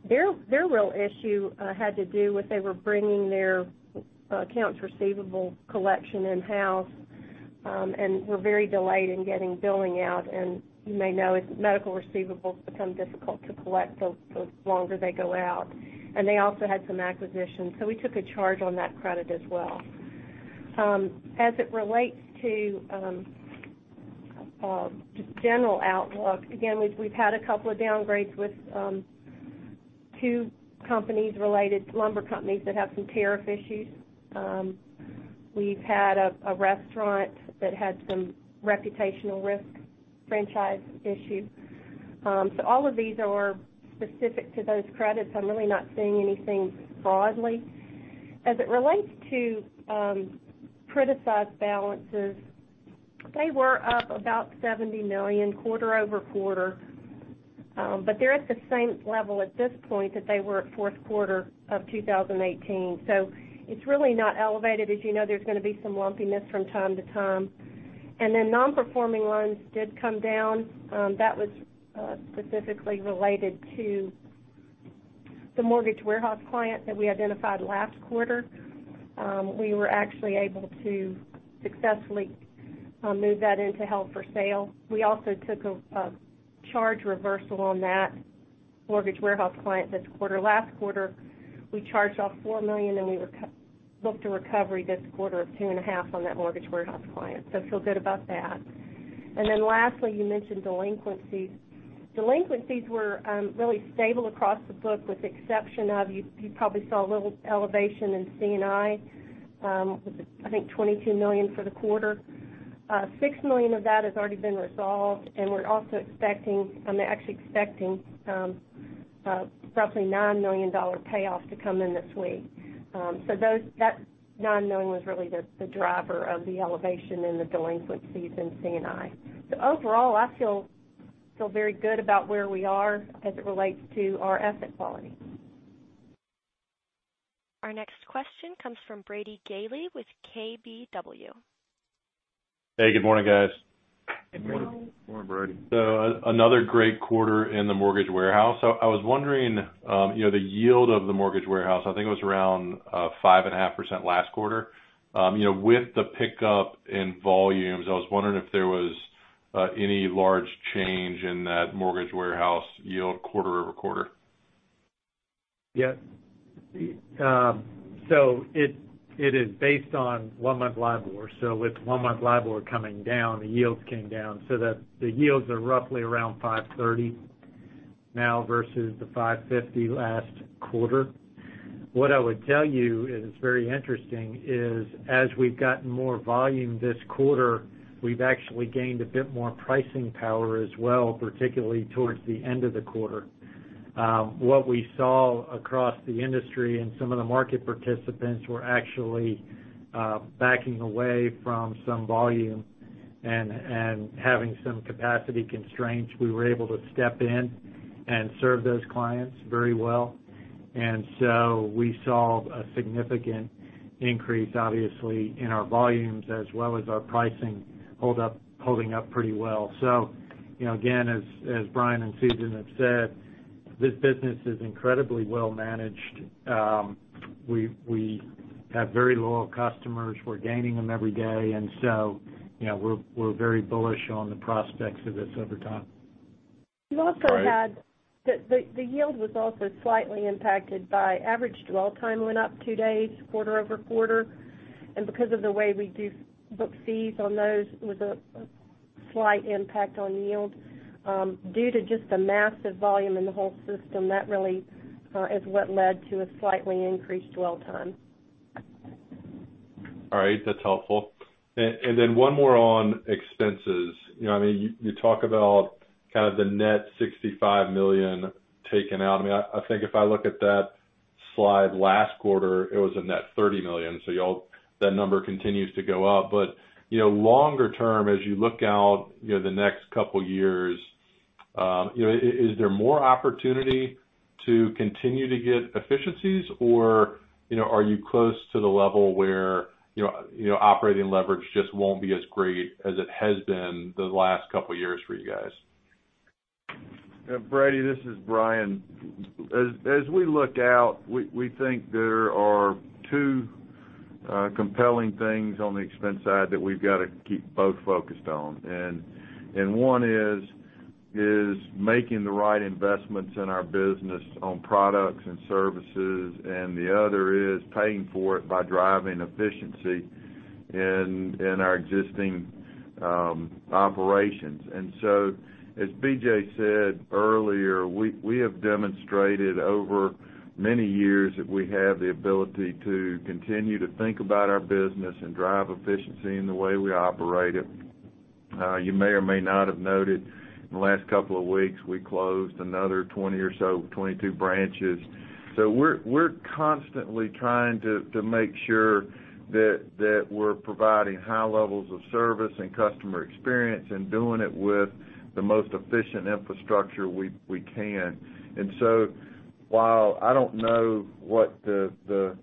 Their real issue had to do with they were bringing their accounts receivable collection in-house and were very delayed in getting billing out. You may know, medical receivables become difficult to collect the longer they go out. They also had some acquisitions. We took a charge on that credit as well. As it relates to general outlook, again, we've had a couple of downgrades with two companies related, lumber companies that have some tariff issues. We've had a restaurant that had some reputational risk franchise issues. All of these are specific to those credits. I'm really not seeing anything broadly. As it relates to criticized balances, they were up about $70 million quarter-over-quarter. They're at the same level at this point that they were at fourth quarter of 2018. It's really not elevated. As you know, there's going to be some lumpiness from time to time. Non-performing loans did come down. That was specifically related to the mortgage warehouse client that we identified last quarter. We were actually able to successfully move that into held for sale. We also took a charge reversal on that mortgage warehouse client this quarter. Last quarter, we charged off $4 million. We booked a recovery this quarter of two and a half on that mortgage warehouse client. Feel good about that. Lastly, you mentioned delinquencies. Delinquencies were really stable across the book, with the exception of, you probably saw a little elevation in C&I with, I think, $22 million for the quarter. $6 million of that has already been resolved. We're also actually expecting roughly a $9 million payoff to come in this week. That $9 million was really the driver of the elevation in the delinquencies in C&I. Overall, I feel very good about where we are as it relates to our asset quality. Our next question comes from Brady Gailey with KBW. Hey, good morning, guys. Good morning. Morning, Brady. Another great quarter in the mortgage warehouse. I was wondering, the yield of the mortgage warehouse, I think it was around 5.5% last quarter. With the pickup in volumes, I was wondering if there was any large change in that mortgage warehouse yield quarter-over-quarter. Yeah. It is based on one-month LIBOR. With one-month LIBOR coming down, the yields came down. The yields are roughly around 530 now versus the 550 last quarter. What I would tell you is very interesting is as we've gotten more volume this quarter, we've actually gained a bit more pricing power as well, particularly towards the end of the quarter. What we saw across the industry and some of the market participants were actually backing away from some volume and having some capacity constraints. We were able to step in and serve those clients very well. We saw a significant increase, obviously, in our volumes as well as our pricing holding up pretty well. Again, as Bryan and Susan have said, this business is incredibly well managed. We have very loyal customers. We're gaining them every day, and so we're very bullish on the prospects of this over time. The yield was also slightly impacted by average dwell time went up two days, quarter-over-quarter. Because of the way we do book fees on those, it was a slight impact on yield. Due to just the massive volume in the whole system, that really is what led to a slightly increased dwell time. All right. That's helpful. One more on expenses. You talk about the net $65 million taken out. I think if I look at that slide last quarter, it was a net $30 million. That number continues to go up. Longer term, as you look out the next couple years, is there more opportunity to continue to get efficiencies, or are you close to the level where operating leverage just won't be as great as it has been the last couple of years for you guys? Brady, this is Bryan. As we look out, we think there are two compelling things on the expense side that we've got to keep both focused on. One is making the right investments in our business on products and services, and the other is paying for it by driving efficiency in our existing operations. As BJ said earlier, we have demonstrated over many years that we have the ability to continue to think about our business and drive efficiency in the way we operate it. You may or may not have noted in the last couple of weeks, we closed another 20 or so, 22 branches. We're constantly trying to make sure that we're providing high levels of service and customer experience and doing it with the most efficient infrastructure we can. While I don't know what the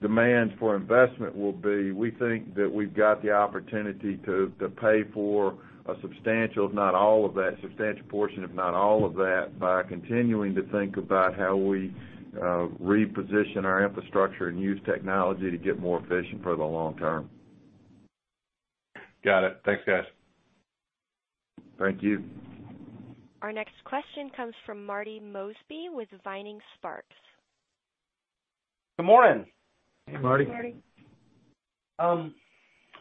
demands for investment will be, we think that we've got the opportunity to pay for a substantial portion, if not all of that, by continuing to think about how we reposition our infrastructure and use technology to get more efficient for the long term. Got it. Thanks, guys. Thank you. Our next question comes from Marty Mosby with Vining Sparks. Good morning. Morning. Morning.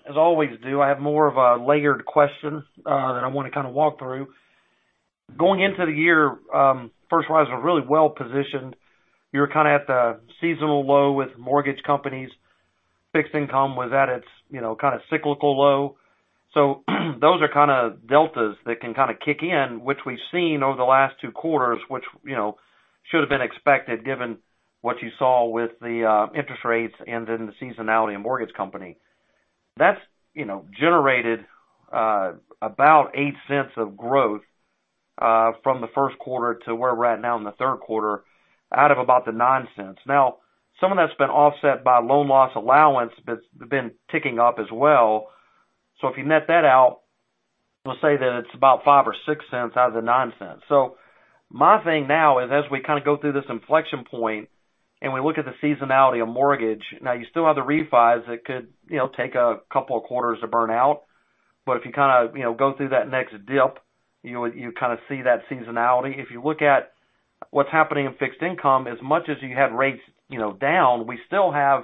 As always do, I have more of a layered question that I want to kind of walk through. Going into the year, First Horizon was really well-positioned. You're kind of at the seasonal low with mortgage companies. Fixed income was at its kind of cyclical low. Those are kind of deltas that can kind of kick in, which we've seen over the last two quarters, which should have been expected given what you saw with the interest rates and then the seasonality of mortgage company. That's generated about $0.08 of growth from the first quarter to where we're at now in the third quarter, out of about the $0.09. Some of that's been offset by loan loss allowance that's been ticking up as well. If you net that out, we'll say that it's about $0.05 or $0.06 out of the $0.09. My thing now is as we kind of go through this inflection point and we look at the seasonality of mortgage, now you still have the refis that could take a couple of quarters to burn out. If you kind of go through that next dip, you kind of see that seasonality. If you look at what's happening in fixed income, as much as you have rates down, we still have,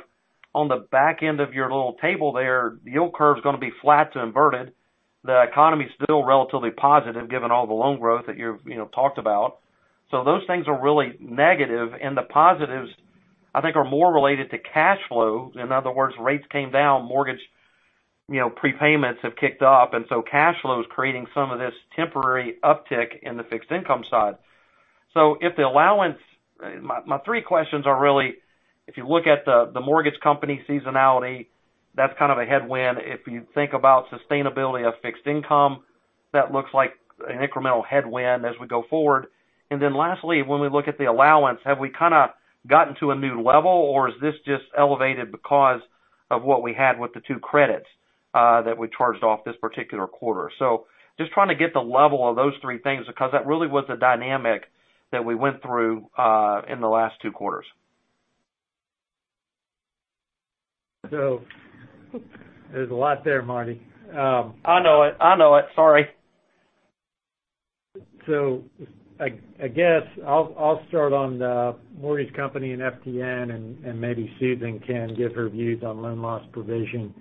on the back end of your little table there, the yield curve's going to be flat to inverted. The economy's still relatively positive given all the loan growth that you've talked about. Those things are really negative, and the positives, I think, are more related to cash flow. In other words, rates came down, mortgage prepayments have kicked up, cash flow is creating some of this temporary uptick in the fixed income side. My three questions are really, if you look at the mortgage company seasonality, that's kind of a headwind. If you think about sustainability of fixed income, that looks like an incremental headwind as we go forward. Lastly, when we look at the allowance, have we kind of gotten to a new level, or is this just elevated because of what we had with the two credits that we charged off this particular quarter? Just trying to get the level of those three things, because that really was the dynamic that we went through in the last two quarters. There's a lot there, Marty. I know it, sorry. I guess I'll start on the mortgage company and FTN and maybe Susan can give her views on loan loss provision.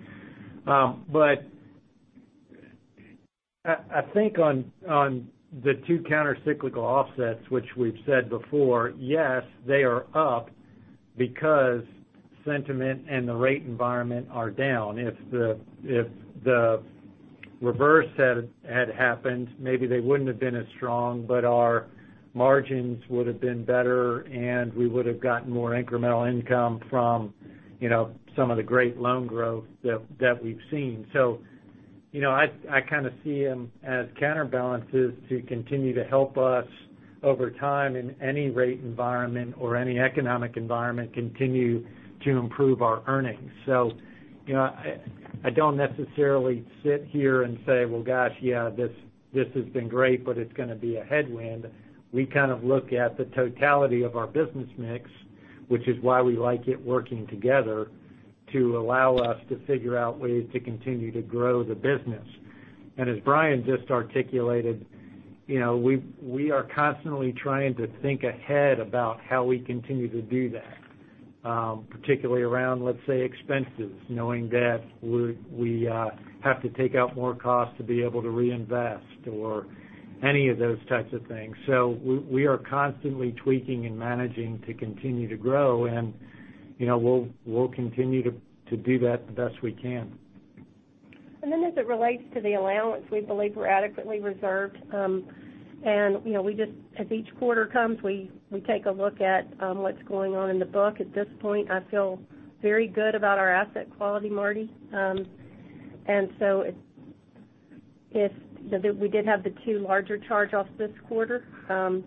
I think on the two counter-cyclical offsets, which we've said before, yes, they are up because sentiment and the rate environment are down. If the reverse had happened, maybe they wouldn't have been as strong, but our margins would've been better, and we would've gotten more incremental income from some of the great loan growth that we've seen. I kind of see them as counterbalances to continue to help us over time in any rate environment or any economic environment, continue to improve our earnings. I don't necessarily sit here and say, "Well, gosh, yeah, this has been great, but it's going to be a headwind." We kind of look at the totality of our business mix, which is why we like it working together to allow us to figure out ways to continue to grow the business. As Bryan just articulated, we are constantly trying to think ahead about how we continue to do that, particularly around, let's say, expenses, knowing that we have to take out more costs to be able to reinvest or any of those types of things. We are constantly tweaking and managing to continue to grow, and we'll continue to do that the best we can. As it relates to the allowance, we believe we're adequately reserved. As each quarter comes, we take a look at what's going on in the book. At this point, I feel very good about our asset quality, Marty. We did have the two larger charge-offs this quarter. I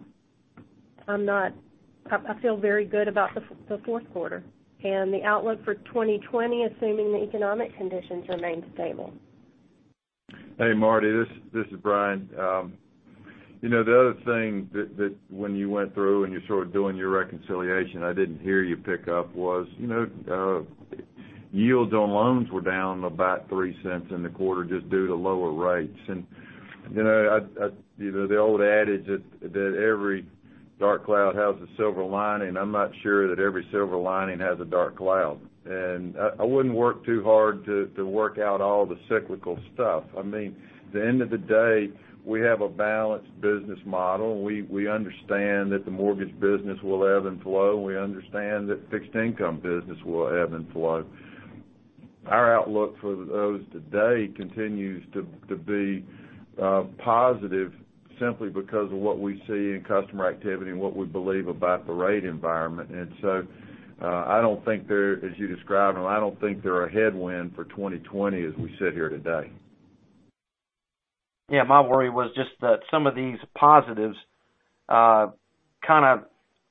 feel very good about the fourth quarter and the outlook for 2020, assuming the economic conditions remain stable. Hey, Marty. This is Bryan. The other thing that when you went through and you're sort of doing your reconciliation, I didn't hear you pick up was, yields on loans were down about $0.03 in the quarter just due to lower rates. The old adage that every dark cloud has a silver lining, I'm not sure that every silver lining has a dark cloud. I wouldn't work too hard to work out all the cyclical stuff. At the end of the day, we have a balanced business model. We understand that the mortgage business will ebb and flow, and we understand that fixed income business will ebb and flow. Our outlook for those today continues to be positive simply because of what we see in customer activity and what we believe about the rate environment. As you described, and I don't think they're a headwind for 2020 as we sit here today. Yeah. My worry was just that some of these positives kind of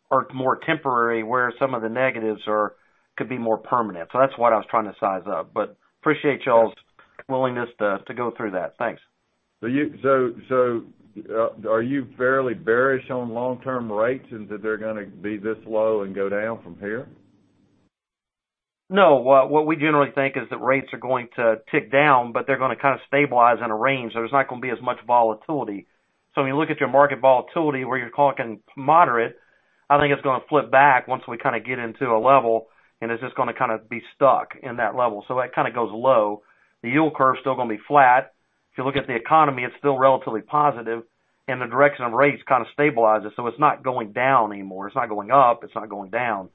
are more temporary, where some of the negatives could be more permanent. That's what I was trying to size up, but appreciate y'all's willingness to go through that. Thanks. Are you fairly bearish on long-term rates and that they're going to be this low and go down from here? No. What we generally think is that rates are going to tick down, but they're going to kind of stabilize in a range, so there's not going to be as much volatility. When you look at your market volatility where you're talking moderate, I think it's going to flip back once we kind of get into a level, and it's just going to kind of be stuck in that level. That kind of goes low. The yield curve is still going to be flat. If you look at the economy, it's still relatively positive, and the direction of rates kind of stabilizes. It's not going down anymore. It's not going up. It's not going down.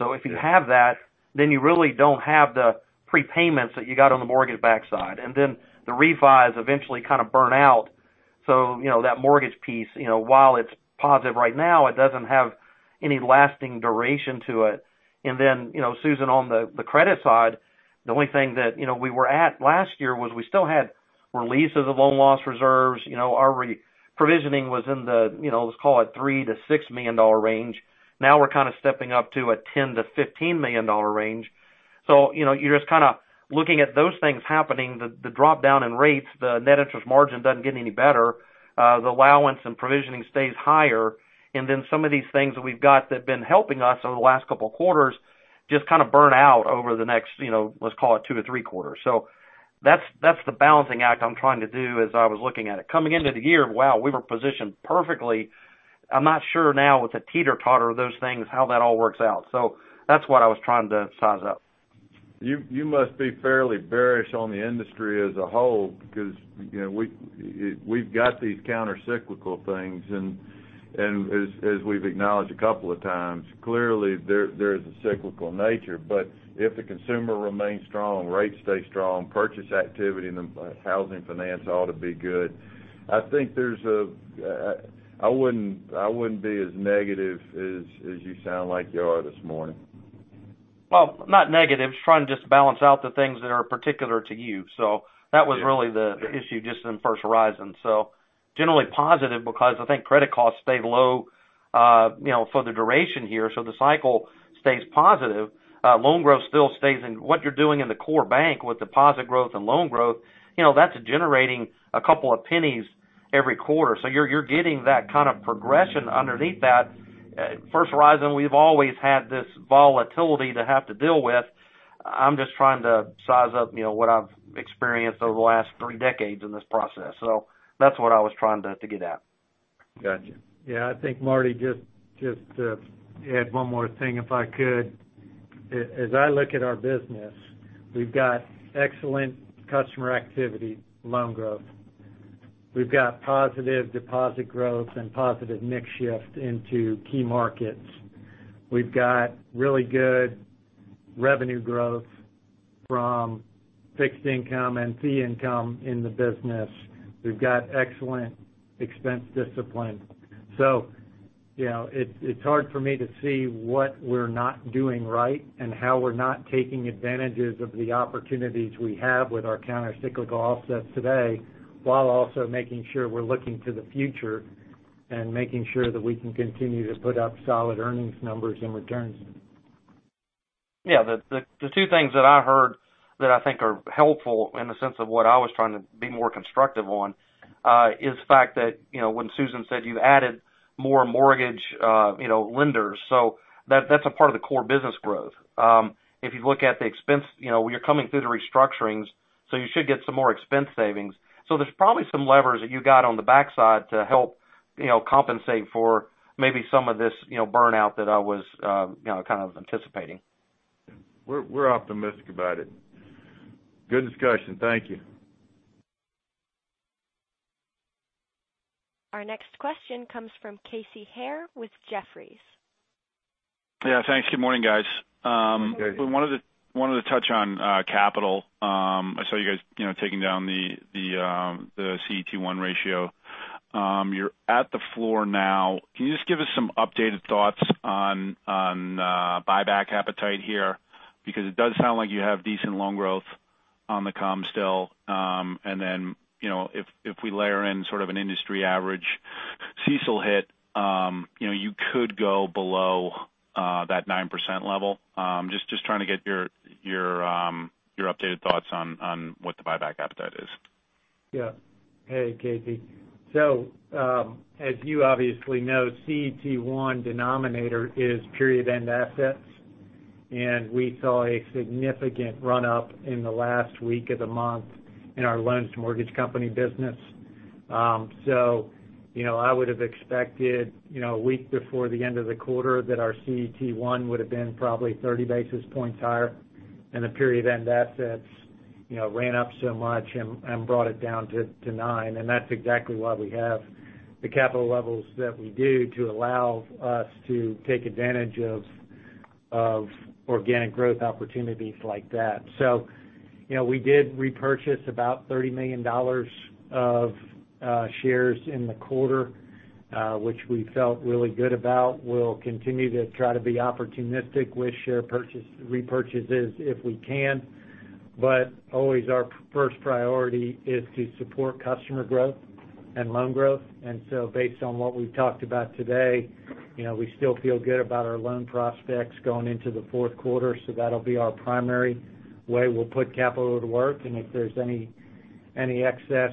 Yeah. If you have that, then you really don't have the prepayments that you got on the mortgage backside. Then the refis eventually kind of burn out. That mortgage piece, while it's positive right now, it doesn't have any lasting duration to it. Then, Susan, on the credit side, the only thing that we were at last year was we still had release of the loan loss reserves. Our re-provisioning was in the, let's call it $3 million-$6 million range. Now we're kind of stepping up to a $10 million-$15 million range. You're just kind of looking at those things happening, the drop-down in rates, the net interest margin doesn't get any better. The allowance and provisioning stays higher. Some of these things that we've got that have been helping us over the last couple of quarters just kind of burn out over the next, let's call it two to three quarters. That's the balancing act I'm trying to do as I was looking at it. Coming into the year, wow, we were positioned perfectly. I'm not sure now with the teeter-totter of those things, how that all works out. That's what I was trying to size up. You must be fairly bearish on the industry as a whole because we've got these countercyclical things, and as we've acknowledged a couple of times, clearly, there is a cyclical nature. If the consumer remains strong, rates stay strong, purchase activity and the housing finance ought to be good. I wouldn't be as negative as you sound like you are this morning. Well, not negative, trying to just balance out the things that are particular to you. That was really the issue just in First Horizon. Generally positive because I think credit costs stay low for the duration here, so the cycle stays positive. Loan growth still stays in. What you're doing in the core bank with deposit growth and loan growth, that's generating a couple of pennies every quarter. You're getting that kind of progression underneath that. At First Horizon, we've always had this volatility to have to deal with. I'm just trying to size up what I've experienced over the last three decades in this process. That's what I was trying to get at. Got you. Yeah, I think, Marty, just to add one more thing, if I could. As I look at our business, we've got excellent customer activity, loan growth. We've got positive deposit growth and positive mix shift into key markets. We've got really good revenue growth from fixed income and fee income in the business. We've got excellent expense discipline. It's hard for me to see what we're not doing right and how we're not taking advantage of the opportunities we have with our countercyclical offsets today, while also making sure we're looking to the future and making sure that we can continue to put up solid earnings numbers and returns. Yeah. The two things that I heard that I think are helpful in the sense of what I was trying to be more constructive on, is the fact that when Susan said you added more mortgage lenders. That's a part of the core business growth. If you look at the expense, you're coming through the restructurings, you should get some more expense savings. There's probably some levers that you got on the backside to help compensate for maybe some of this burnout that I was kind of anticipating. We're optimistic about it. Good discussion. Thank you. Our next question comes from Casey Haire with Jefferies. Yeah, thanks. Good morning, guys. Hey, Casey. Wanted to touch on capital. I saw you guys taking down the CET1 ratio. You're at the floor now. Can you just give us some updated thoughts on buyback appetite here? It does sound like you have decent loan growth on the comms still. If we layer in sort of an industry average CECL hit, you could go below that 9% level. Just trying to get your updated thoughts on what the buyback appetite is. Yeah. Hey, Casey. As you obviously know, CET1 denominator is period-end assets, and we saw a significant run-up in the last week of the month in our loans mortgage company business. I would've expected, a week before the end of the quarter, that our CET1 would've been probably 30 basis points higher and the period-end assets ran up so much and brought it down to nine. That's exactly why we have the capital levels that we do to allow us to take advantage of organic growth opportunities like that. We did repurchase about $30 million of shares in the quarter, which we felt really good about. We'll continue to try to be opportunistic with share repurchases if we can. Always our first priority is to support customer growth and loan growth. Based on what we've talked about today, we still feel good about our loan prospects going into the fourth quarter. That'll be our primary way we'll put capital to work, and if there's any excess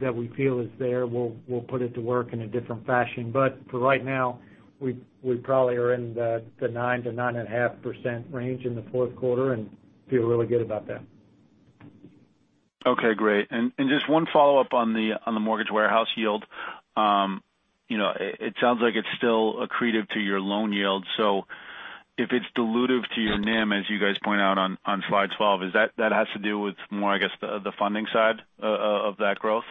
that we feel is there, we'll put it to work in a different fashion. For right now, we probably are in the 9%-9.5% range in the fourth quarter and feel really good about that. Okay, great. Just one follow-up on the mortgage warehouse yield. It sounds like it's still accretive to your loan yield. If it's dilutive to your NIM, as you guys point out on slide 12, that has to do with more, I guess, the funding side of that growth?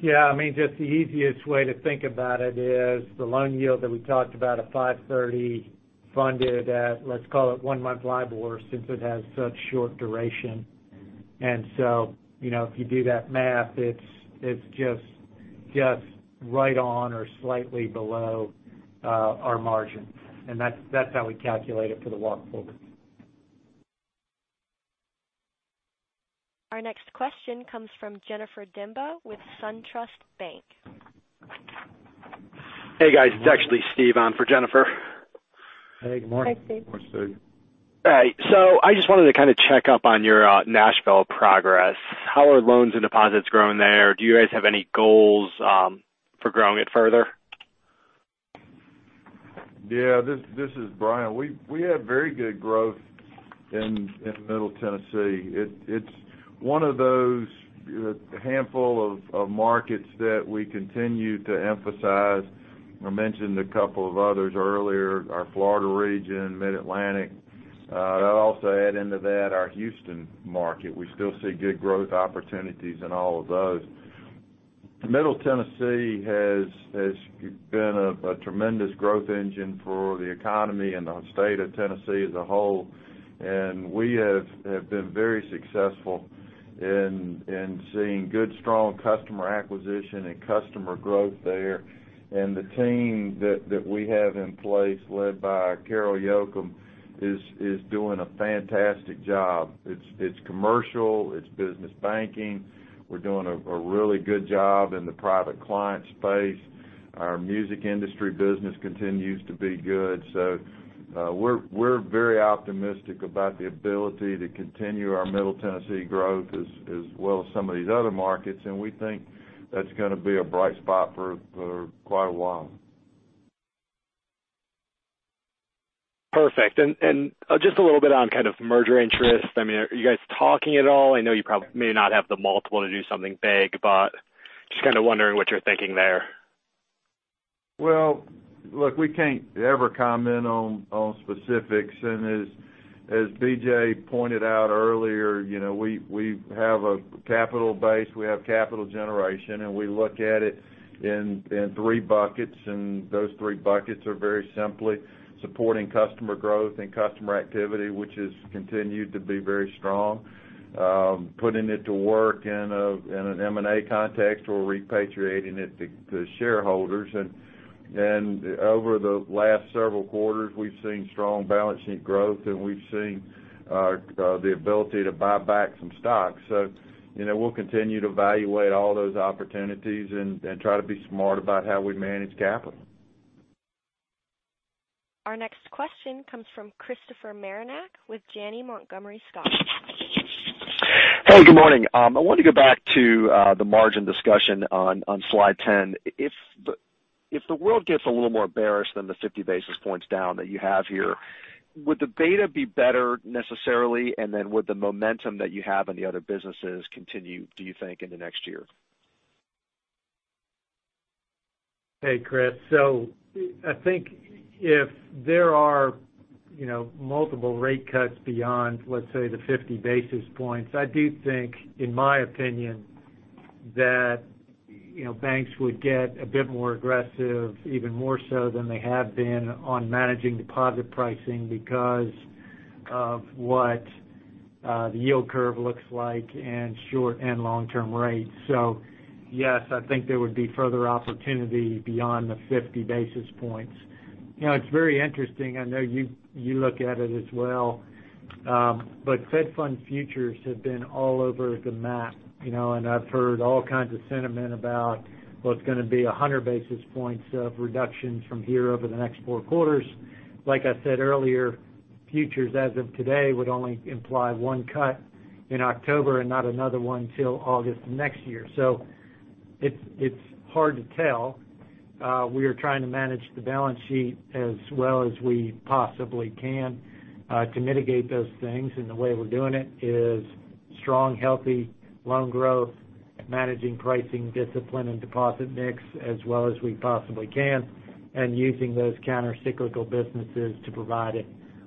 Yeah, just the easiest way to think about it is the loan yield that we talked about at 530 funded at, let's call it one-month LIBOR, since it has such short duration. If you do that math, it's just right on or slightly below our margin. That's how we calculate it for the walk-through. Our next question comes from Jennifer Demba with SunTrust Bank. Hey, guys. It's actually Steve on for Jennifer. Hey, good morning. Hi, Steve. Morning, Steve. I just wanted to kind of check up on your Nashville progress. How are loans and deposits growing there? Do you guys have any goals for growing it further? Yeah. This is Bryan. We have very good growth in Middle Tennessee. It's one of those handful of markets that we continue to emphasize. I mentioned a couple of others earlier, our Florida region, Mid-Atlantic. I'd also add into that our Houston market. We still see good growth opportunities in all of those. Middle Tennessee has been a tremendous growth engine for the economy and the state of Tennessee as a whole. We have been very successful in seeing good, strong customer acquisition and customer growth there. The team that we have in place, led by Carol Yocum, is doing a fantastic job. It's commercial, it's business banking. We're doing a really good job in the private client space. Our music industry business continues to be good. We're very optimistic about the ability to continue our Middle Tennessee growth as well as some of these other markets, and we think that's going to be a bright spot for quite a while. Perfect. Just a little bit on kind of merger interest. Are you guys talking at all? I know you probably may not have the multiple to do something big, but just kind of wondering what you're thinking there. Well, look, we can't ever comment on specifics, and as BJ pointed out earlier, we have a capital base. We have capital generation, and we look at it in three buckets, and those three buckets are very simply supporting customer growth and customer activity, which has continued to be very strong, putting it to work in an M&A context or repatriating it to shareholders. Over the last several quarters, we've seen strong balance sheet growth, and we've seen the ability to buy back some stock. We'll continue to evaluate all those opportunities and try to be smart about how we manage capital. Our next question comes from Christopher Marinac with Janney Montgomery Scott. Hey, good morning. I wanted to go back to the margin discussion on slide 10. If the world gets a little more bearish than the 50 basis points down that you have here, would the beta be better necessarily? Would the momentum that you have in the other businesses continue, do you think, in the next year? Hey, Chris. I think if there are multiple rate cuts beyond, let's say, the 50 basis points, I do think, in my opinion, that banks would get a bit more aggressive, even more so than they have been on managing deposit pricing because of what the yield curve looks like in short and long-term rates. Yes, I think there would be further opportunity beyond the 50 basis points. It's very interesting. I know you look at it as well. Fed funds futures have been all over the map. I've heard all kinds of sentiment about, well, it's going to be 100 basis points of reductions from here over the next four quarters. Like I said earlier, futures as of today would only imply one cut in October and not another one till August next year. It's hard to tell. We are trying to manage the balance sheet as well as we possibly can to mitigate those things, and the way we're doing it is strong, healthy loan growth, managing pricing discipline and deposit mix as well as we possibly can, and using those countercyclical businesses to provide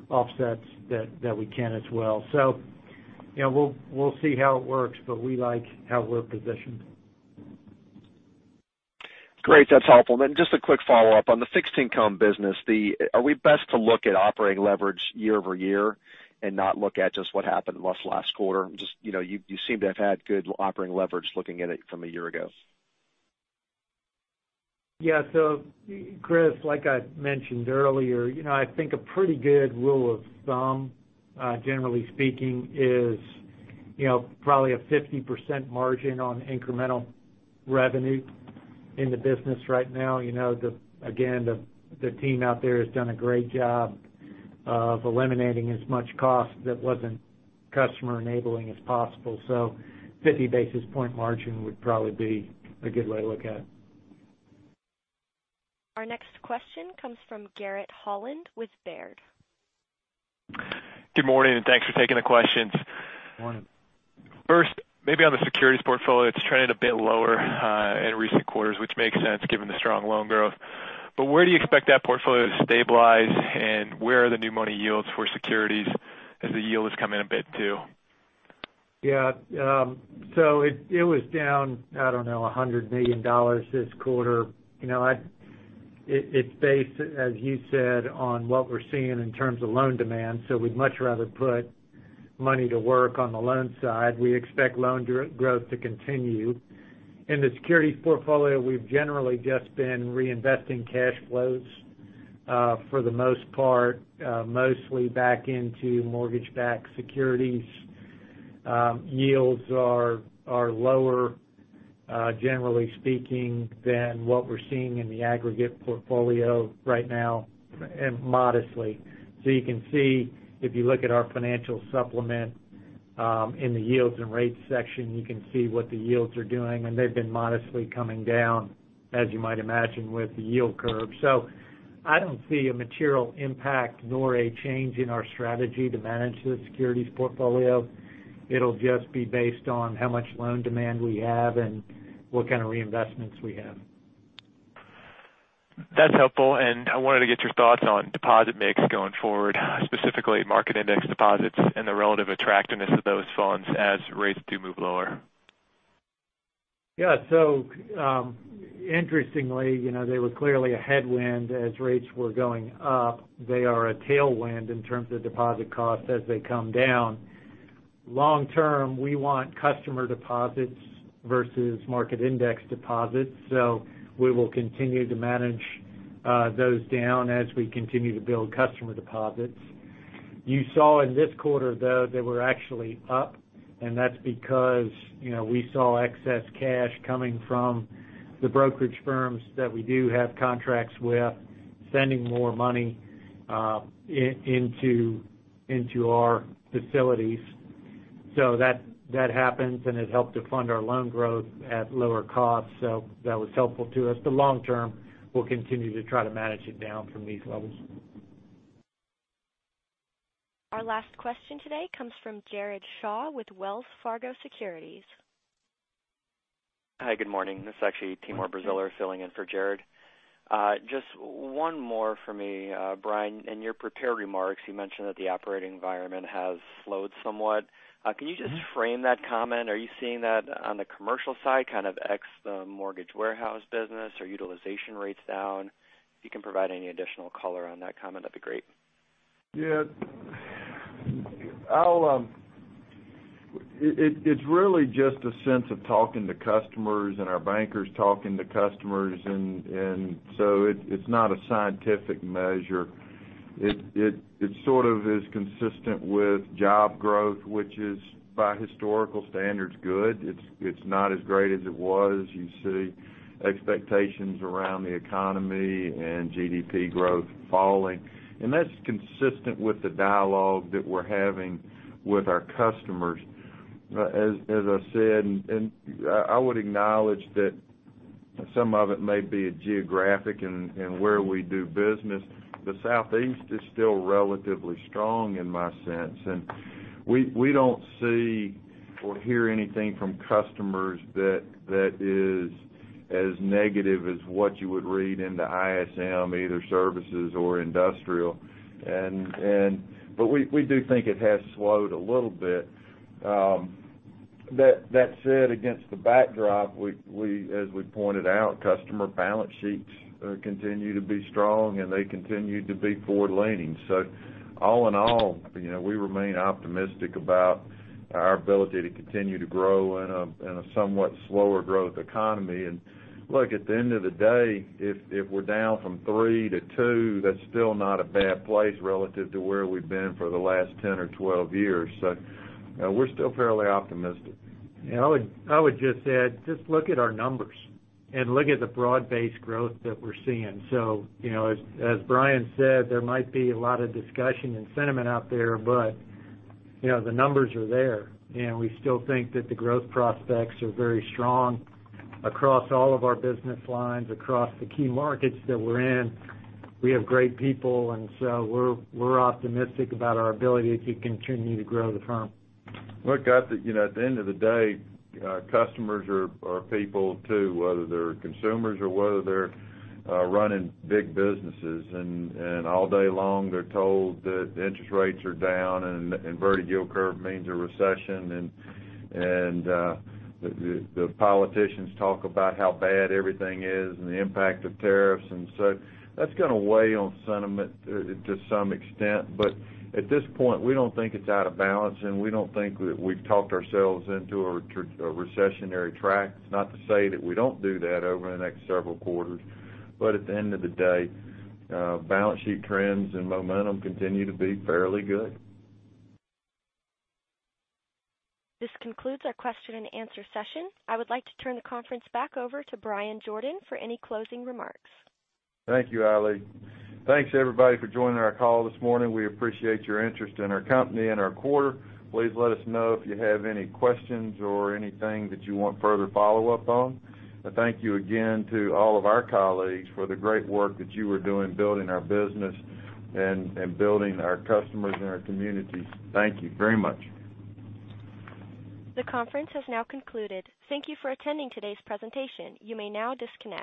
offsets that we can as well. We'll see how it works, but we like how we're positioned. Great. That's helpful. Then just a quick follow-up. On the fixed income business, are we best to look at operating leverage year-over-year and not look at just what happened last quarter? You seem to have had good operating leverage looking at it from a year ago. Yeah. Chris, like I mentioned earlier, I think a pretty good rule of thumb, generally speaking, is probably a 50% margin on incremental revenue in the business right now. Again, the team out there has done a great job of eliminating as much cost that wasn't customer-enabling as possible. 50 basis point margin would probably be a good way to look at it. Our next question comes from Garrett Holland with Baird. Good morning, thanks for taking the questions. Morning. First, maybe on the securities portfolio, it's trended a bit lower in recent quarters, which makes sense given the strong loan growth. Where do you expect that portfolio to stabilize, and where are the new money yields for securities as the yield has come in a bit too? Yeah. It was down, I don't know, $100 million this quarter. It's based, as you said, on what we're seeing in terms of loan demand. We'd much rather put money to work on the loan side. We expect loan growth to continue. In the securities portfolio, we've generally just been reinvesting cash flows, for the most part, mostly back into mortgage-backed securities. Yields are lower, generally speaking, than what we're seeing in the aggregate portfolio right now, modestly. You can see, if you look at our financial supplement, in the yields and rates section, you can see what the yields are doing, and they've been modestly coming down, as you might imagine, with the yield curve. I don't see a material impact nor a change in our strategy to manage the securities portfolio. It'll just be based on how much loan demand we have and what kind of reinvestments we have. That's helpful. I wanted to get your thoughts on deposit mix going forward, specifically market index deposits and the relative attractiveness of those funds as rates do move lower. Yeah. Interestingly, they were clearly a headwind as rates were going up. They are a tailwind in terms of deposit costs as they come down. Long term, we want customer deposits versus market index deposits. We will continue to manage those down as we continue to build customer deposits. You saw in this quarter, though, they were actually up, and that's because we saw excess cash coming from the brokerage firms that we do have contracts with, sending more money into our facilities. That happens, and it helped to fund our loan growth at lower costs. That was helpful to us. Long term, we'll continue to try to manage it down from these levels. Our last question today comes from Jared Shaw with Wells Fargo Securities. Hi, good morning. This is actually Timur Braziler filling in for Jared. Just one more for me. Bryan, in your prepared remarks, you mentioned that the operating environment has slowed somewhat. Can you just frame that comment? Are you seeing that on the commercial side, kind of ex the mortgage warehouse business or utilization rates down? If you can provide any additional color on that comment, that'd be great. Yeah. It's really just a sense of talking to customers and our bankers talking to customers. It's not a scientific measure. It sort of is consistent with job growth, which is by historical standards, good. It's not as great as it was. You see expectations around the economy and GDP growth falling. That's consistent with the dialogue that we're having with our customers. As I said, I would acknowledge that some of it may be geographic in where we do business. The Southeast is still relatively strong in my sense, and we don't see or hear anything from customers that is as negative as what you would read in the ISM, either services or industrial. We do think it has slowed a little bit. That said, against the backdrop, as we pointed out, customer balance sheets continue to be strong, and they continue to be forward-leaning. All in all, we remain optimistic about our ability to continue to grow in a somewhat slower growth economy. Look, at the end of the day, if we're down from three to two, that's still not a bad place relative to where we've been for the last 10 or 12 years. We're still fairly optimistic. Yeah, I would just add, just look at our numbers, and look at the broad-based growth that we're seeing. As Bryan said, there might be a lot of discussion and sentiment out there, but the numbers are there. We still think that the growth prospects are very strong across all of our business lines, across the key markets that we're in. We have great people, and so we're optimistic about our ability to continue to grow the firm. Look, at the end of the day, customers are people too, whether they're consumers or whether they're running big businesses. All day long, they're told that interest rates are down and inverted yield curve means a recession, and the politicians talk about how bad everything is and the impact of tariffs, that's going to weigh on sentiment to some extent. At this point, we don't think it's out of balance, and we don't think that we've talked ourselves into a recessionary track. Not to say that we don't do that over the next several quarters, but at the end of the day, balance sheet trends and momentum continue to be fairly good. This concludes our question and answer session. I would like to turn the conference back over to Bryan Jordan for any closing remarks. Thank you, Allie. Thanks everybody for joining our call this morning. We appreciate your interest in our company and our quarter. Please let us know if you have any questions or anything that you want further follow-up on. Thank you again to all of our colleagues for the great work that you are doing building our business and building our customers and our communities. Thank you very much. The conference has now concluded. Thank you for attending today's presentation. You may now disconnect.